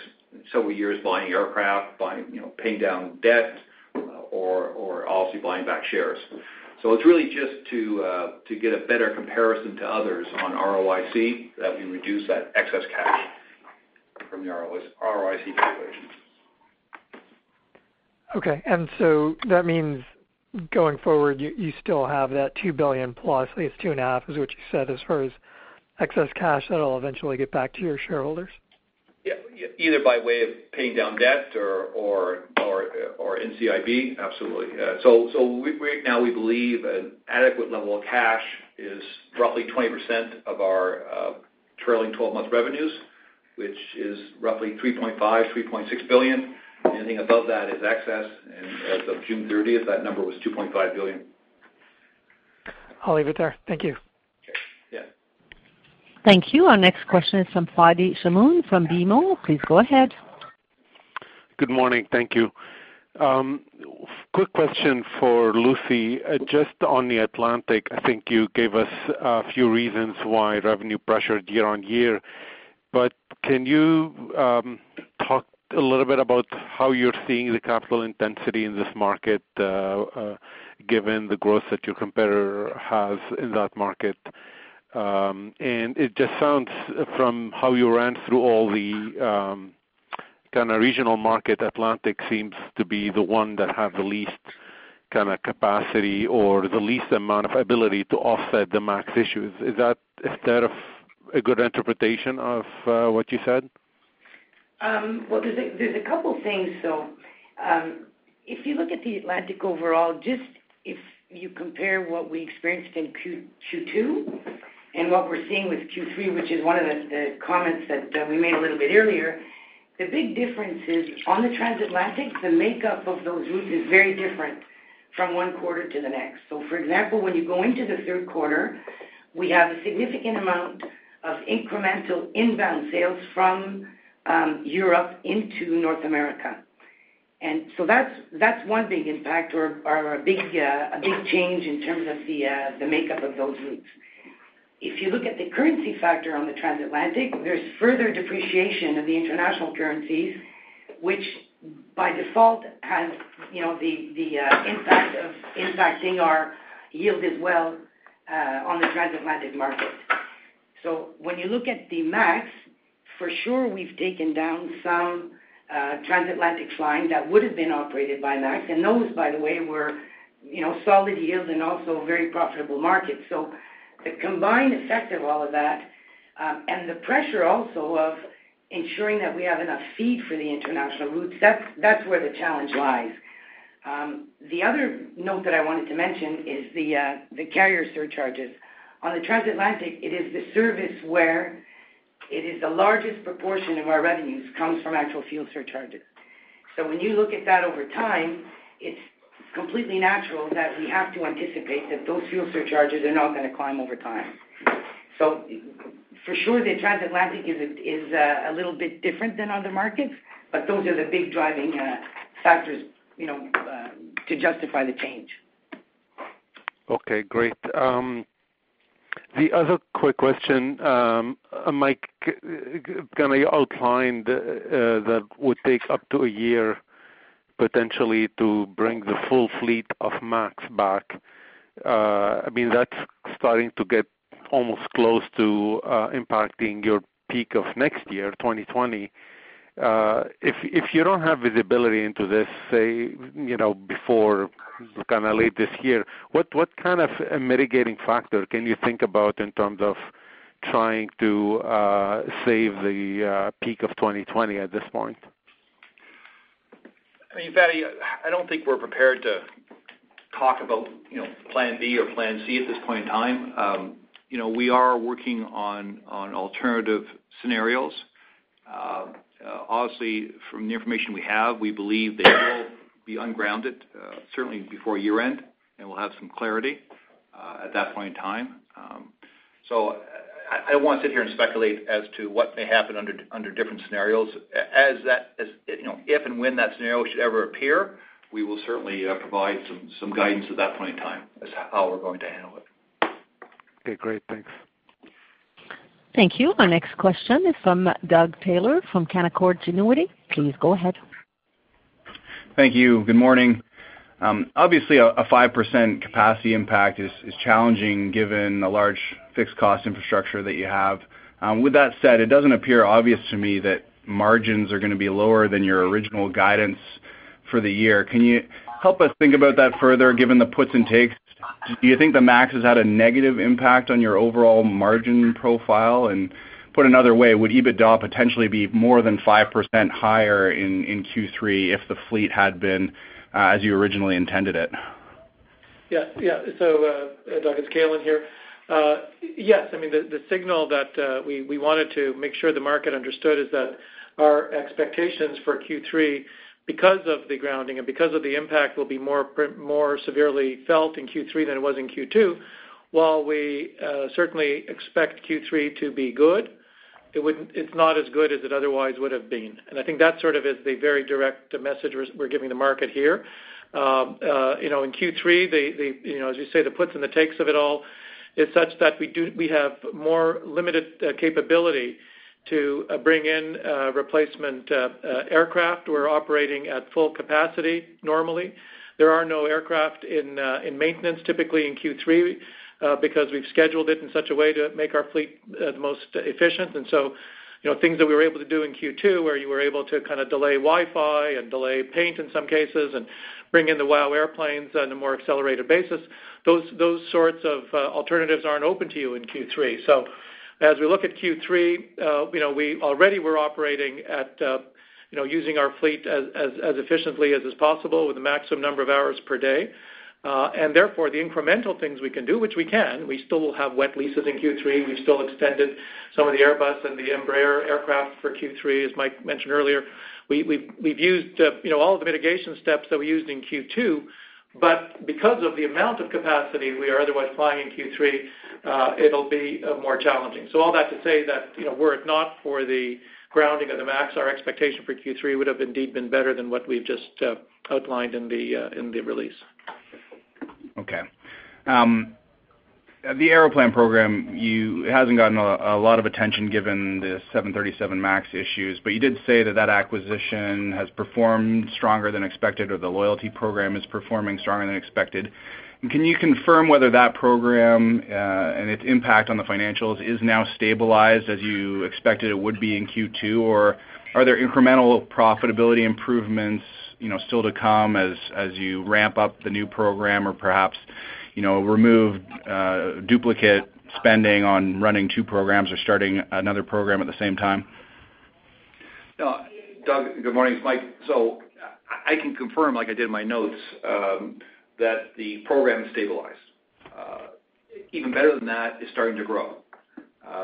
several years buying aircraft, paying down debt, or obviously buying back shares. It's really just to get a better comparison to others on ROIC that we reduce that excess cash from the ROIC calculations. Okay. That means going forward, you still have that 2 billion plus, I think it's two and a half, is what you said, as far as excess cash that'll eventually get back to your shareholders? Yeah. Either by way of paying down debt or NCIB. Absolutely. Now we believe an adequate level of cash is roughly 20% of our trailing 12-month revenues, which is roughly 3.5 billion, 3.6 billion. Anything above that is excess, and as of June 30th, that number was 2.5 billion. I'll leave it there. Thank you. Okay. Yeah. Thank you. Our next question is from Fadi Chamoun from BMO. Please go ahead. Good morning. Thank you. Quick question for Lucie. Just on the Atlantic, I think you gave us a few reasons why revenue pressured year on year. Can you talk a little bit about how you're seeing the capital intensity in this market, given the growth that your competitor has in that market? It just sounds, from how you ran through all the kind of regional market, Atlantic seems to be the one that have the least capacity or the least amount of ability to offset the MAX issues. Is that a good interpretation of what you said? Well, there's a couple things. If you look at the Atlantic overall, just if you compare what we experienced in Q2 and what we're seeing with Q3, which is one of the comments that we made a little bit earlier, the big difference is on the transatlantic, the makeup of those routes is very different from one quarter to the next. For example, when you go into the third quarter, we have a significant amount of incremental inbound sales from Europe into North America. That's one big impact or a big change in terms of the makeup of those routes. If you look at the currency factor on the transatlantic, there's further depreciation of the international currencies, which by default has the impact of impacting our yield as well on the transatlantic market. When you look at the MAX, for sure, we've taken down some transatlantic flying that would've been operated by MAX. Those, by the way, were solid yields and also very profitable markets. The combined effect of all of that and the pressure also of ensuring that we have enough feed for the international routes, that's where the challenge lies. The other note that I wanted to mention is the carrier surcharges. On the transatlantic, it is the service where it is the largest proportion of our revenues comes from actual fuel surcharges. When you look at that over time, it's completely natural that we have to anticipate that those fuel surcharges are not going to climb over time. For sure, the transatlantic is a little bit different than other markets, but those are the big driving factors to justify the change. Okay, great. The other quick question. Mike outlined that it would take up to a year potentially to bring the full fleet of MAX back. That's starting to get almost close to impacting your peak of next year, 2020. If you don't have visibility into this, say, before late this year, what kind of mitigating factor can you think about in terms of trying to save the peak of 2020 at this point? Fadi, I don't think we're prepared to talk about plan B or plan C at this point in time. We are working on alternative scenarios. Obviously, from the information we have, we believe they will be ungrounded certainly before year-end, and we'll have some clarity at that point in time. I won't sit here and speculate as to what may happen under different scenarios. If and when that scenario should ever appear, we will certainly provide some guidance at that point in time as to how we're going to handle it. Okay, great. Thanks. Thank you. Our next question is from Doug Taylor from Canaccord Genuity. Please go ahead. Thank you. Good morning. Obviously, a 5% capacity impact is challenging given the large fixed cost infrastructure that you have. With that said, it doesn't appear obvious to me that margins are going to be lower than your original guidance for the year. Can you help us think about that further given the puts and takes? Do you think the MAX has had a negative impact on your overall margin profile? Put another way, would EBITDA potentially be more than 5% higher in Q3 if the fleet had been as you originally intended it? Doug, it's Calin here. Yes, the signal that we wanted to make sure the market understood is that our expectations for Q3, because of the grounding and because of the impact, will be more severely felt in Q3 than it was in Q2. While we certainly expect Q3 to be good, it's not as good as it otherwise would have been. I think that sort of is the very direct message we're giving the market here. In Q3, as you say, the puts and the takes of it all is such that we have more limited capability to bring in replacement aircraft. We're operating at full capacity normally. There are no aircraft in maintenance typically in Q3 because we've scheduled it in such a way to make our fleet the most efficient. Things that we were able to do in Q2, where you were able to delay Wi-Fi and delay paint in some cases, and bring in the WOW airplanes on a more accelerated basis, those sorts of alternatives aren't open to you in Q3. As we look at Q3, already we're operating at using our fleet as efficiently as is possible with the maximum number of hours per day. The incremental things we can do, which we can, we still will have wet leases in Q3. We still extended some of the Airbus and the Embraer aircraft for Q3, as Mike mentioned earlier. We've used all of the mitigation steps that we used in Q2, but because of the amount of capacity we are otherwise flying in Q3, it'll be more challenging. All that to say that, were it not for the grounding of the MAX, our expectation for Q3 would have indeed been better than what we've just outlined in the release. Okay. The Aeroplan program hasn't gotten a lot of attention given the 737 MAX issues. You did say that acquisition has performed stronger than expected, or the loyalty program is performing stronger than expected. Can you confirm whether that program, and its impact on the financials is now stabilized as you expected it would be in Q2, are there incremental profitability improvements still to come as you ramp up the new program or perhaps remove duplicate spending on running two programs or starting another program at the same time? Doug, good morning. It's Mike. I can confirm, like I did in my notes, that the program has stabilized. Even better than that, it's starting to grow.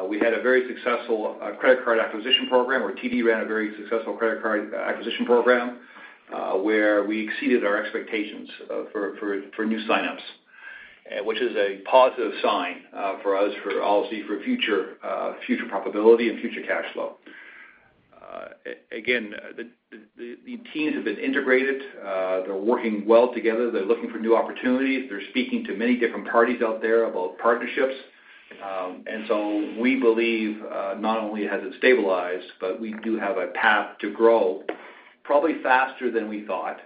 We had a very successful credit card acquisition program, where TD ran a very successful credit card acquisition program, where we exceeded our expectations for new sign-ups, which is a positive sign for us for future profitability and future cash flow. Again, the teams have been integrated. They're working well together. They're looking for new opportunities. They're speaking to many different parties out there about partnerships. We believe not only has it stabilized, but we do have a path to grow probably faster than we thought,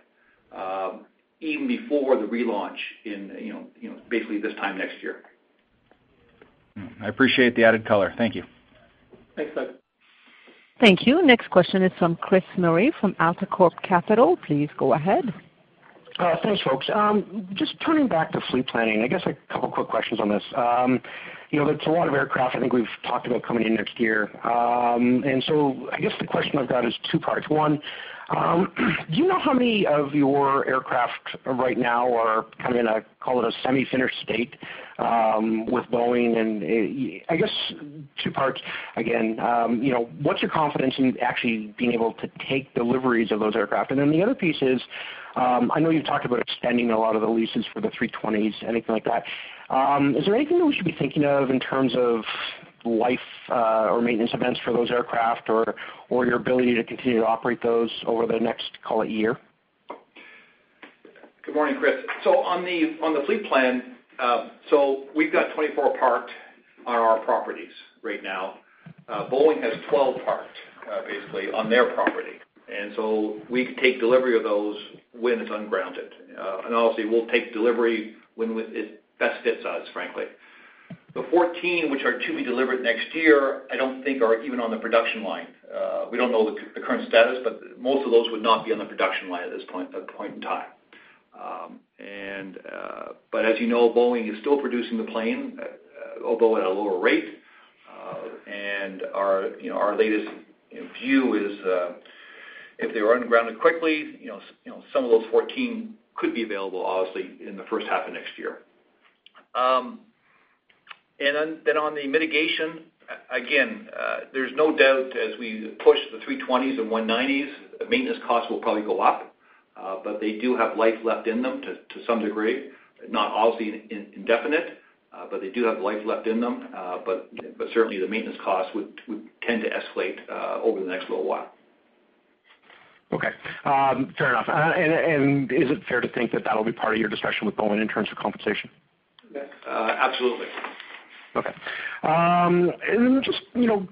even before the relaunch in basically this time next year. I appreciate the added color. Thank you. Thanks, Doug. Thank you. Next question is from Chris Murray from AltaCorp Capital. Please go ahead. Thanks, folks. Just turning back to fleet planning, I guess a couple of quick questions on this. There's a lot of aircraft I think we've talked about coming in next year. I guess the question I've got is two parts. One, do you know how many of your aircraft right now are in a, call it a semi-finished state with Boeing? I guess two parts again, what's your confidence in actually being able to take deliveries of those aircraft? The other piece is, I know you've talked about extending a lot of the leases for the 320s, anything like that. Is there anything that we should be thinking of in terms of life or maintenance events for those aircraft or your ability to continue to operate those over the next, call it year? Good morning, Chris. On the fleet plan, we've got 24 parked on our properties right now. Boeing has 12 parked basically on their property. We could take delivery of those when it's ungrounded. Obviously, we'll take delivery when it best fits us, frankly. The 14, which are to be delivered next year, I don't think are even on the production line. We don't know the current status, most of those would not be on the production line at this point in time. As you know, Boeing is still producing the plane, although at a lower rate. Our latest view is if they were ungrounded quickly, some of those 14 could be available, obviously, in the first half of next year. On the mitigation, again, there's no doubt as we push the A320s and E190s, maintenance costs will probably go up, but they do have life left in them to some degree. Not obviously indefinite, but they do have life left in them. Certainly the maintenance costs would tend to escalate over the next little while. Okay. Fair enough. Is it fair to think that that'll be part of your discussion with Boeing in terms of compensation? Absolutely. Okay. Just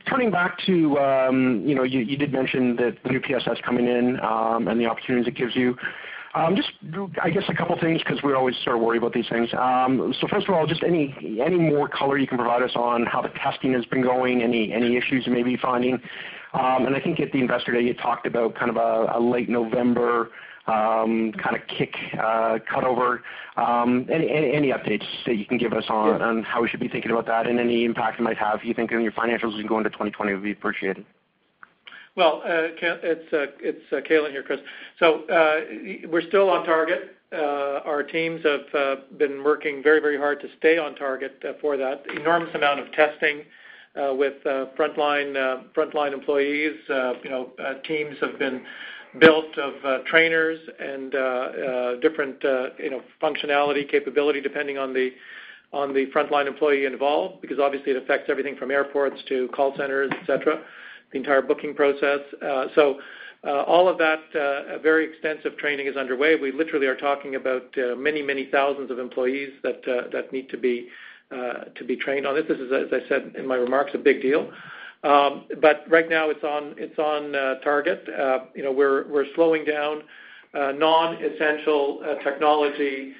turning back to, you did mention the new PSS coming in and the opportunities it gives you. Just I guess a couple of things because we always sort of worry about these things. First of all, just any more color you can provide us on how the testing has been going, any issues you may be finding? I think at the Investor Day, you talked about kind of a late November kind of cutover. Any updates that you can give us on how we should be thinking about that and any impact it might have, you think, on your financials as we go into 2020 would be appreciated. It's Calin here, Chris. We're still on target. Our teams have been working very hard to stay on target for that enormous amount of testing with frontline employees. Teams have been built of trainers and different functionality capability depending on the frontline employee involved, because obviously it affects everything from airports to call centers, etc., the entire booking process. All of that very extensive training is underway. We literally are talking about many, many thousands of employees that need to be trained on this. This is, as I said in my remarks, a big deal. Right now it's on target. We're slowing down non-essential technology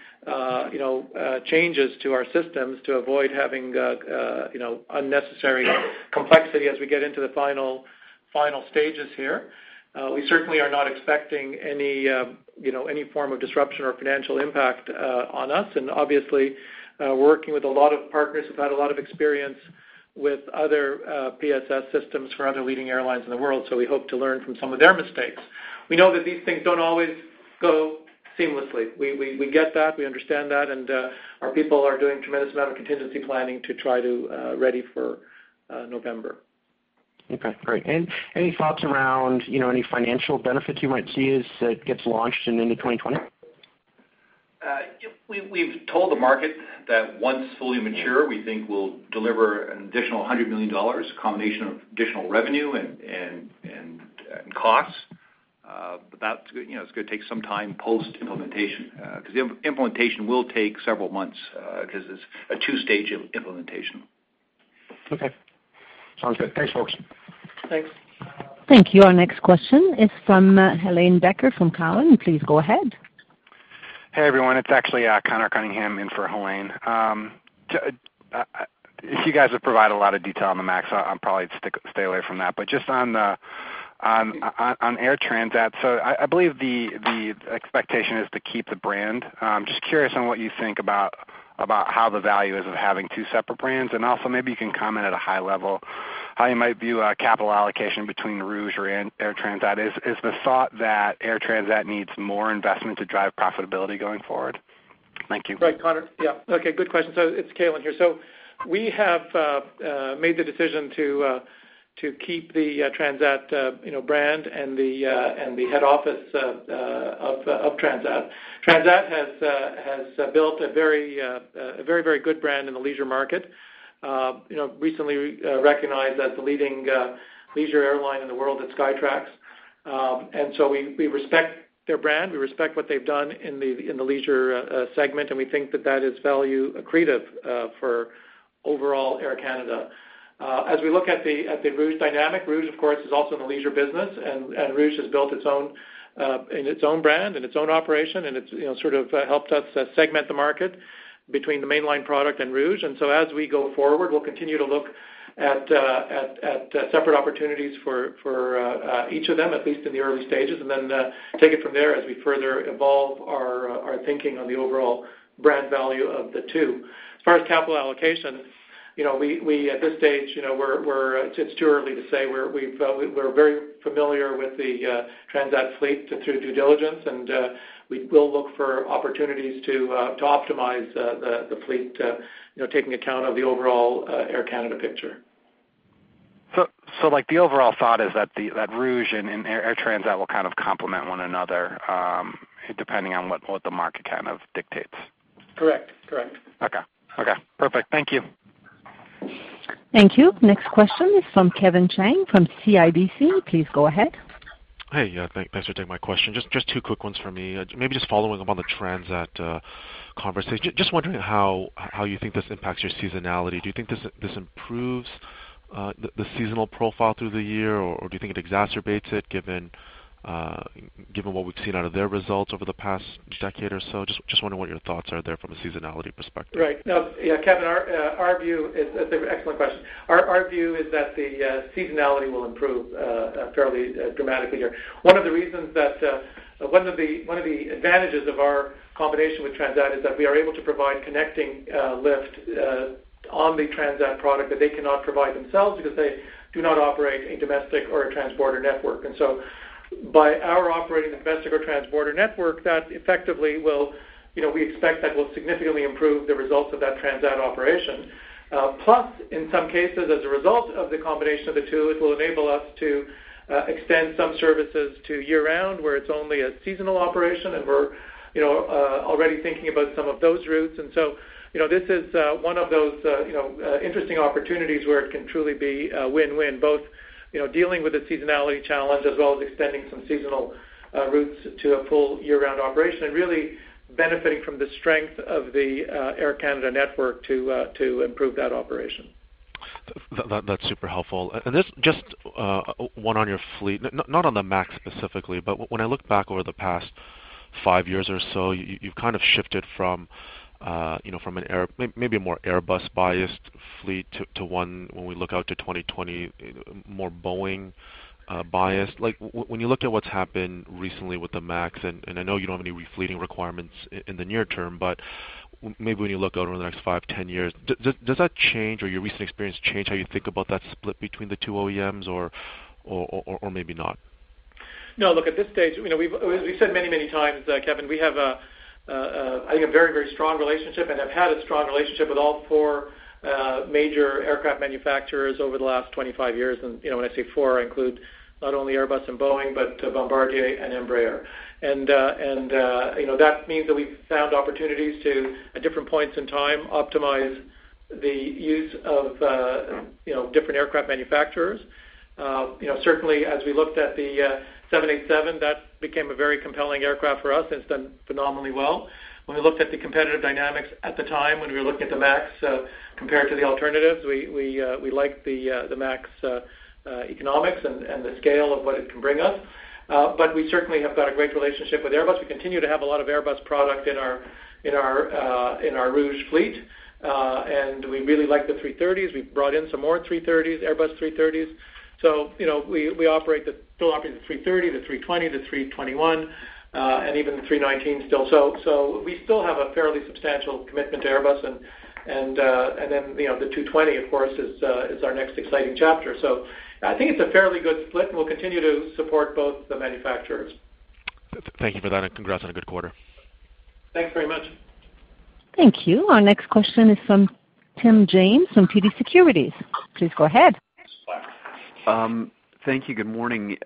changes to our systems to avoid having unnecessary complexity as we get into the final stages here. We certainly are not expecting any form of disruption or financial impact on us. Obviously, working with a lot of partners who've had a lot of experience with other PSS systems for other leading airlines in the world. We hope to learn from some of their mistakes. We know that these things don't always go seamlessly. We get that. We understand that. Our people are doing a tremendous amount of contingency planning to try to ready for November. Okay, great. Any thoughts around any financial benefits you might see as it gets launched into 2020? We've told the market that once fully mature, we think we'll deliver an additional 100 million dollars, a combination of additional revenue and costs. That's going to take some time post-implementation, because the implementation will take several months, because it's a two-stage implementation. Okay. Sounds good. Thanks, folks. Thanks. Thank you. Our next question is from Helane Becker from Cowen. Please go ahead. Hey, everyone. It's actually Conor Cunningham in for Helane. You guys have provided a lot of detail on the MAX, I'll probably stay away from that. Just on Air Transat, I believe the expectation is to keep the brand. I'm just curious on what you think about how the value is of having two separate brands, and also maybe you can comment at a high level how you might view capital allocation between Rouge or Air Transat. Is the thought that Air Transat needs more investment to drive profitability going forward? Thank you. Right, Conor. Yeah. Okay, good question. It's Calin here. We have made the decision to keep the Transat brand and the head office of Transat. Transat has built a very good brand in the leisure market. Recently recognized as the leading leisure airline in the world at Skytrax. We respect their brand, we respect what they've done in the leisure segment, and we think that that is value accretive for overall Air Canada. As we look at the Rouge dynamic, Rouge of course is also in the leisure business and Rouge has built its own brand and its own operation, and it's sort of helped us segment the market between the mainline product and Rouge. As we go forward, we'll continue to look at separate opportunities for each of them, at least in the early stages, and then take it from there as we further evolve our thinking on the overall brand value of the two. As far as capital allocation, at this stage it's too early to say. We're very familiar with the Transat fleet through due diligence, and we will look for opportunities to optimize the fleet, taking account of the overall Air Canada picture. So, like the overall thought is that Rouge and Air Transat will kind of complement one another, depending on what the market kind of dictates? Correct. Okay. Perfect. Thank you. Thank you. Next question is from Kevin Chiang from CIBC. Please go ahead. Hey, thanks for taking my question. Just two quick ones for me. Maybe just following up on the Transat conversation. Just wondering how you think this impacts your seasonality. Do you think this improves the seasonal profile through the year, or do you think it exacerbates it given what we've seen out of their results over the past decade or so? Just wondering what your thoughts are there from a seasonality perspective. Right. Now, Kevin, excellent question. Our view is that the seasonality will improve fairly dramatically here. One of the advantages of our combination with Transat is that we are able to provide connecting lift on the Transat product that they cannot provide themselves because they do not operate a domestic or a transborder network. By our operating domestic or transborder network, we expect that will significantly improve the results of that Transat operation. Plus, in some cases, as a result of the combination of the two, it will enable us to extend some services to year-round where it's only a seasonal operation, and we're already thinking about some of those routes. This is one of those interesting opportunities where it can truly be a win-win, both dealing with the seasonality challenge as well as extending some seasonal routes to a full year-round operation and really benefiting from the strength of the Air Canada network to improve that operation. That's super helpful. This just one on your fleet, not on the MAX specifically, but when I look back over the past five years or so, you've kind of shifted from maybe a more Airbus-biased fleet to one when we look out to 2020, more Boeing-biased. When you look at what's happened recently with the MAX, I know you don't have any refleeting requirements in the near term, but maybe when you look out over the next five, 10 years, does that change or your recent experience change how you think about that split between the two OEMs or maybe not? No, look, at this stage, we've said many, many times, Kevin, I think a very strong relationship and have had a strong relationship with all four major aircraft manufacturers over the last 25 years. When I say four, I include not only Airbus and Boeing, but Bombardier and Embraer. That means that we've found opportunities to, at different points in time, optimize the use of different aircraft manufacturers. Certainly, as we looked at the 787, that became a very compelling aircraft for us, and it's done phenomenally well. When we looked at the competitive dynamics at the time, when we were looking at the MAX compared to the alternatives, we liked the MAX economics and the scale of what it can bring us. We certainly have got a great relationship with Airbus. We continue to have a lot of Airbus product in our Rouge fleet. We really like the A330s. We've brought in some more Airbus A330s. We still operate the A330, the A320, the A321, and even the A319 still. We still have a fairly substantial commitment to Airbus, and then the A220, of course, is our next exciting chapter. I think it's a fairly good split, and we'll continue to support both the manufacturers. Thank you for that, and congrats on a good quarter. Thanks very much. Thank you. Our next question is from Tim James from TD Securities. Please go ahead. Thank you. Good morning.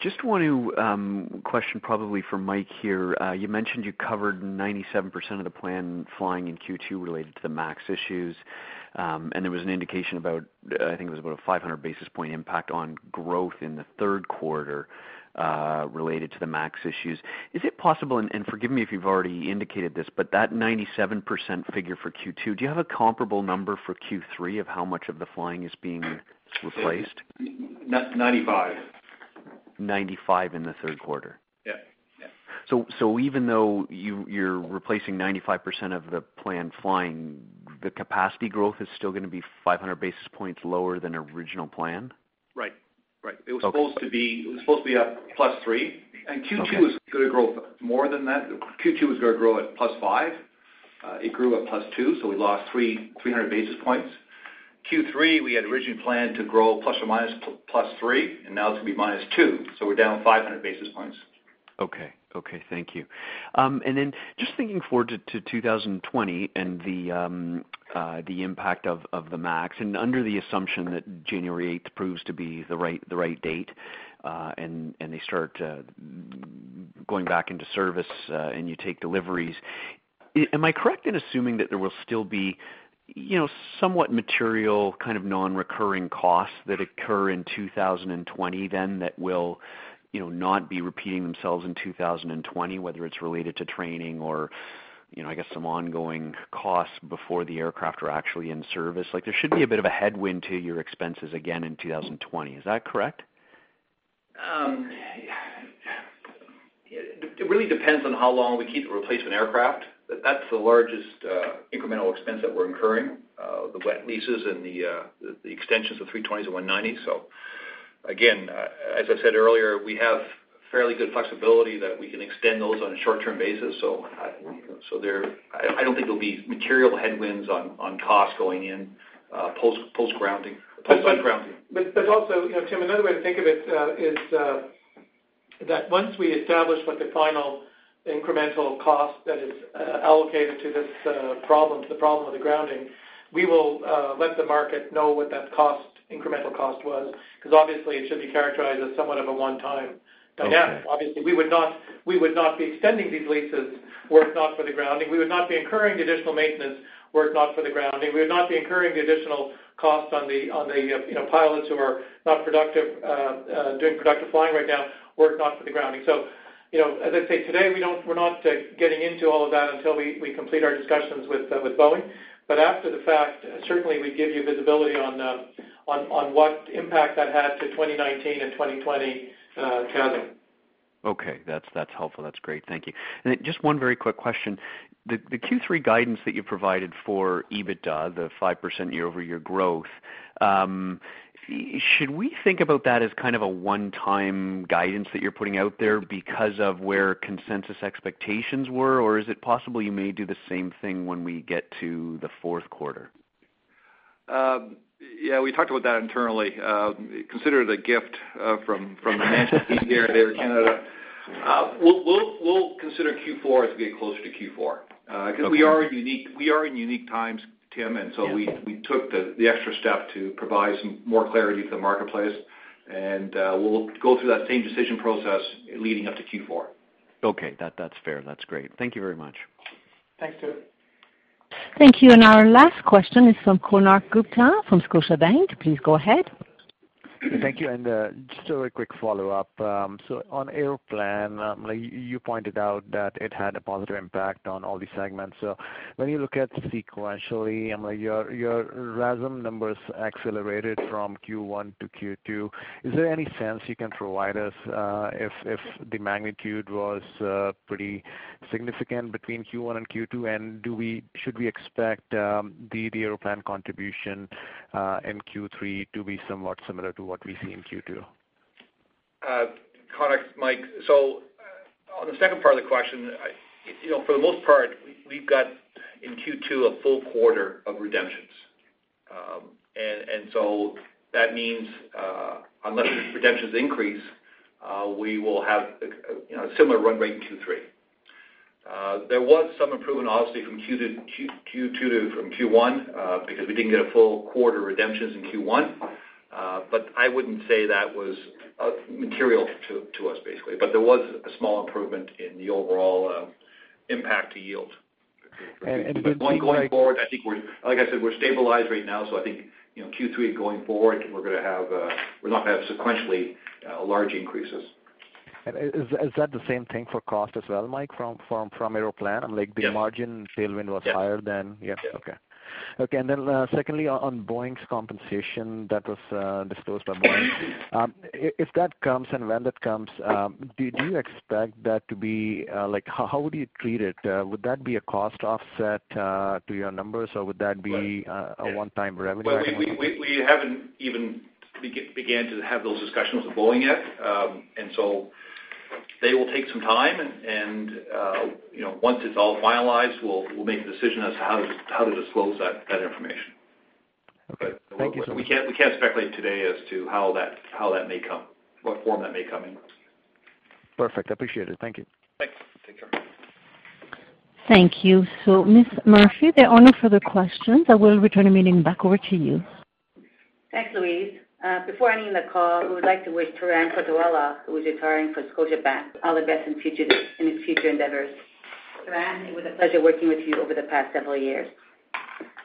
Just one question, probably for Mike here. You mentioned you covered 97% of the planned flying in Q2 related to the MAX issues. There was an indication about, I think it was about a 500-basis-point impact on growth in the third quarter, related to the MAX issues. Is it possible, and forgive me if you've already indicated this, but that 97% figure for Q2, do you have a comparable number for Q3 of how much of the flying is being replaced? 95%. 95% in the third quarter? Yeah. Even though you're replacing 95% of the planned flying, the capacity growth is still going to be 500 basis points lower than original plan? Right. It was supposed to be up plus three. Okay. Q2 was going to grow more than that. Q2 was going to grow at +5. It grew at +2, so we lost 300 basis points. Q3, we had originally planned to grow ±3, and now it's going to be -2, so we're down 500 basis points. Okay. Thank you. Just thinking forward to 2020 and the impact of the MAX, and under the assumption that January 8th proves to be the right date, and they start going back into service, and you take deliveries. Am I correct in assuming that there will still be somewhat material kind of non-recurring costs that occur in 2020 then that will not be repeating themselves in 2020, whether it's related to training or I guess some ongoing costs before the aircraft are actually in service? There should be a bit of a headwind to your expenses again in 2020. Is that correct? It really depends on how long we keep the replacement aircraft. That's the largest incremental expense that we're incurring, the wet leases and the extensions of 320s and 190s. Again, as I said earlier, we have fairly good flexibility that we can extend those on a short-term basis, so I don't think there'll be material headwinds on cost going in post grounding. There's also, Tim, another way to think of it is that once we establish what the final incremental cost that is allocated to this problem, to the problem of the grounding, we will let the market know what that incremental cost was because obviously it should be characterized as somewhat of a one-time dynamic. Okay. Obviously, we would not be extending these leases were it not for the grounding. We would not be incurring the additional maintenance were it not for the grounding. We would not be incurring the additional costs on the pilots who are not doing productive flying right now were it not for the grounding. As I say, today, we're not getting into all of that until we complete our discussions with Boeing. After the fact, certainly, we'd give you visibility on what impact that had to 2019 and 2020 accounting. Okay. That's helpful. That's great. Thank you. Just one very quick question. The Q3 guidance that you provided for EBITDA, the 5% year-over-year growth, should we think about that as kind of a one-time guidance that you're putting out there because of where consensus expectations were, or is it possible you may do the same thing when we get to the fourth quarter? We talked about that internally. Consider it a gift from the management team here at Air Canada. We'll consider Q4 as we get closer to Q4. Okay. We are in unique times, Tim, and so we took the extra step to provide some more clarity to the marketplace. We'll go through that same decision process leading up to Q4. Okay. That's fair. That's great. Thank you very much. Thanks, Tim. Thank you. Our last question is from Konark Gupta from Scotiabank. Please go ahead. Thank you. Just a very quick follow-up. On Aeroplan, you pointed out that it had a positive impact on all the segments. When you look at sequentially, your RASM numbers accelerated from Q1 to Q2. Is there any sense you can provide us if the magnitude was pretty significant between Q1 and Q2, and should we expect the Aeroplan contribution in Q3 to be somewhat similar to what we see in Q2? Konark, Mike, on the second part of the question, for the most part, we've got in Q2 a full quarter of redemption. That means, unless redemptions increase, we will have a similar run rate in Q3. There was some improvement, obviously, from Q2 from Q1, because we didn't get a full quarter redemptions in Q1. I wouldn't say that was material to us, basically. There was a small improvement in the overall impact to yield. And do you- Going forward, like I said, we're stabilized right now, so I think, Q3 going forward, we're not going to have sequentially large increases. Is that the same thing for cost as well, Mike, from Aeroplan? Yes. Like the margin tailwind was higher than- Yes. Yeah. Okay. Okay, secondly, on Boeing's compensation that was disclosed by Boeing. If that comes and when that comes, How would you treat it? Would that be a cost offset to your numbers, or would that be? Right. Yeah A one-time revenue item? Well, we haven't even began to have those discussions with Boeing yet. They will take some time and once it's all finalized, we'll make a decision as to how to disclose that information. Okay. Thank you. We can't speculate today as to how that may come, what form that may come in. Perfect. I appreciate it. Thank you. Thanks. Take care. Thank you. Ms. Murphy, there are no further questions. I will return the meeting back over to you. Thanks, Louise. Before ending the call, we would like to wish Taran Patowala, who is retiring from Scotiabank, all the best in his future endeavors. Taran, it was a pleasure working with you over the past several years.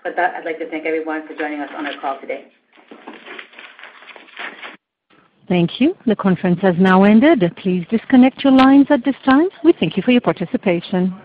I'd like to thank everyone for joining us on our call today. Thank you. The conference has now ended. Please disconnect your lines at this time. We thank you for your participation.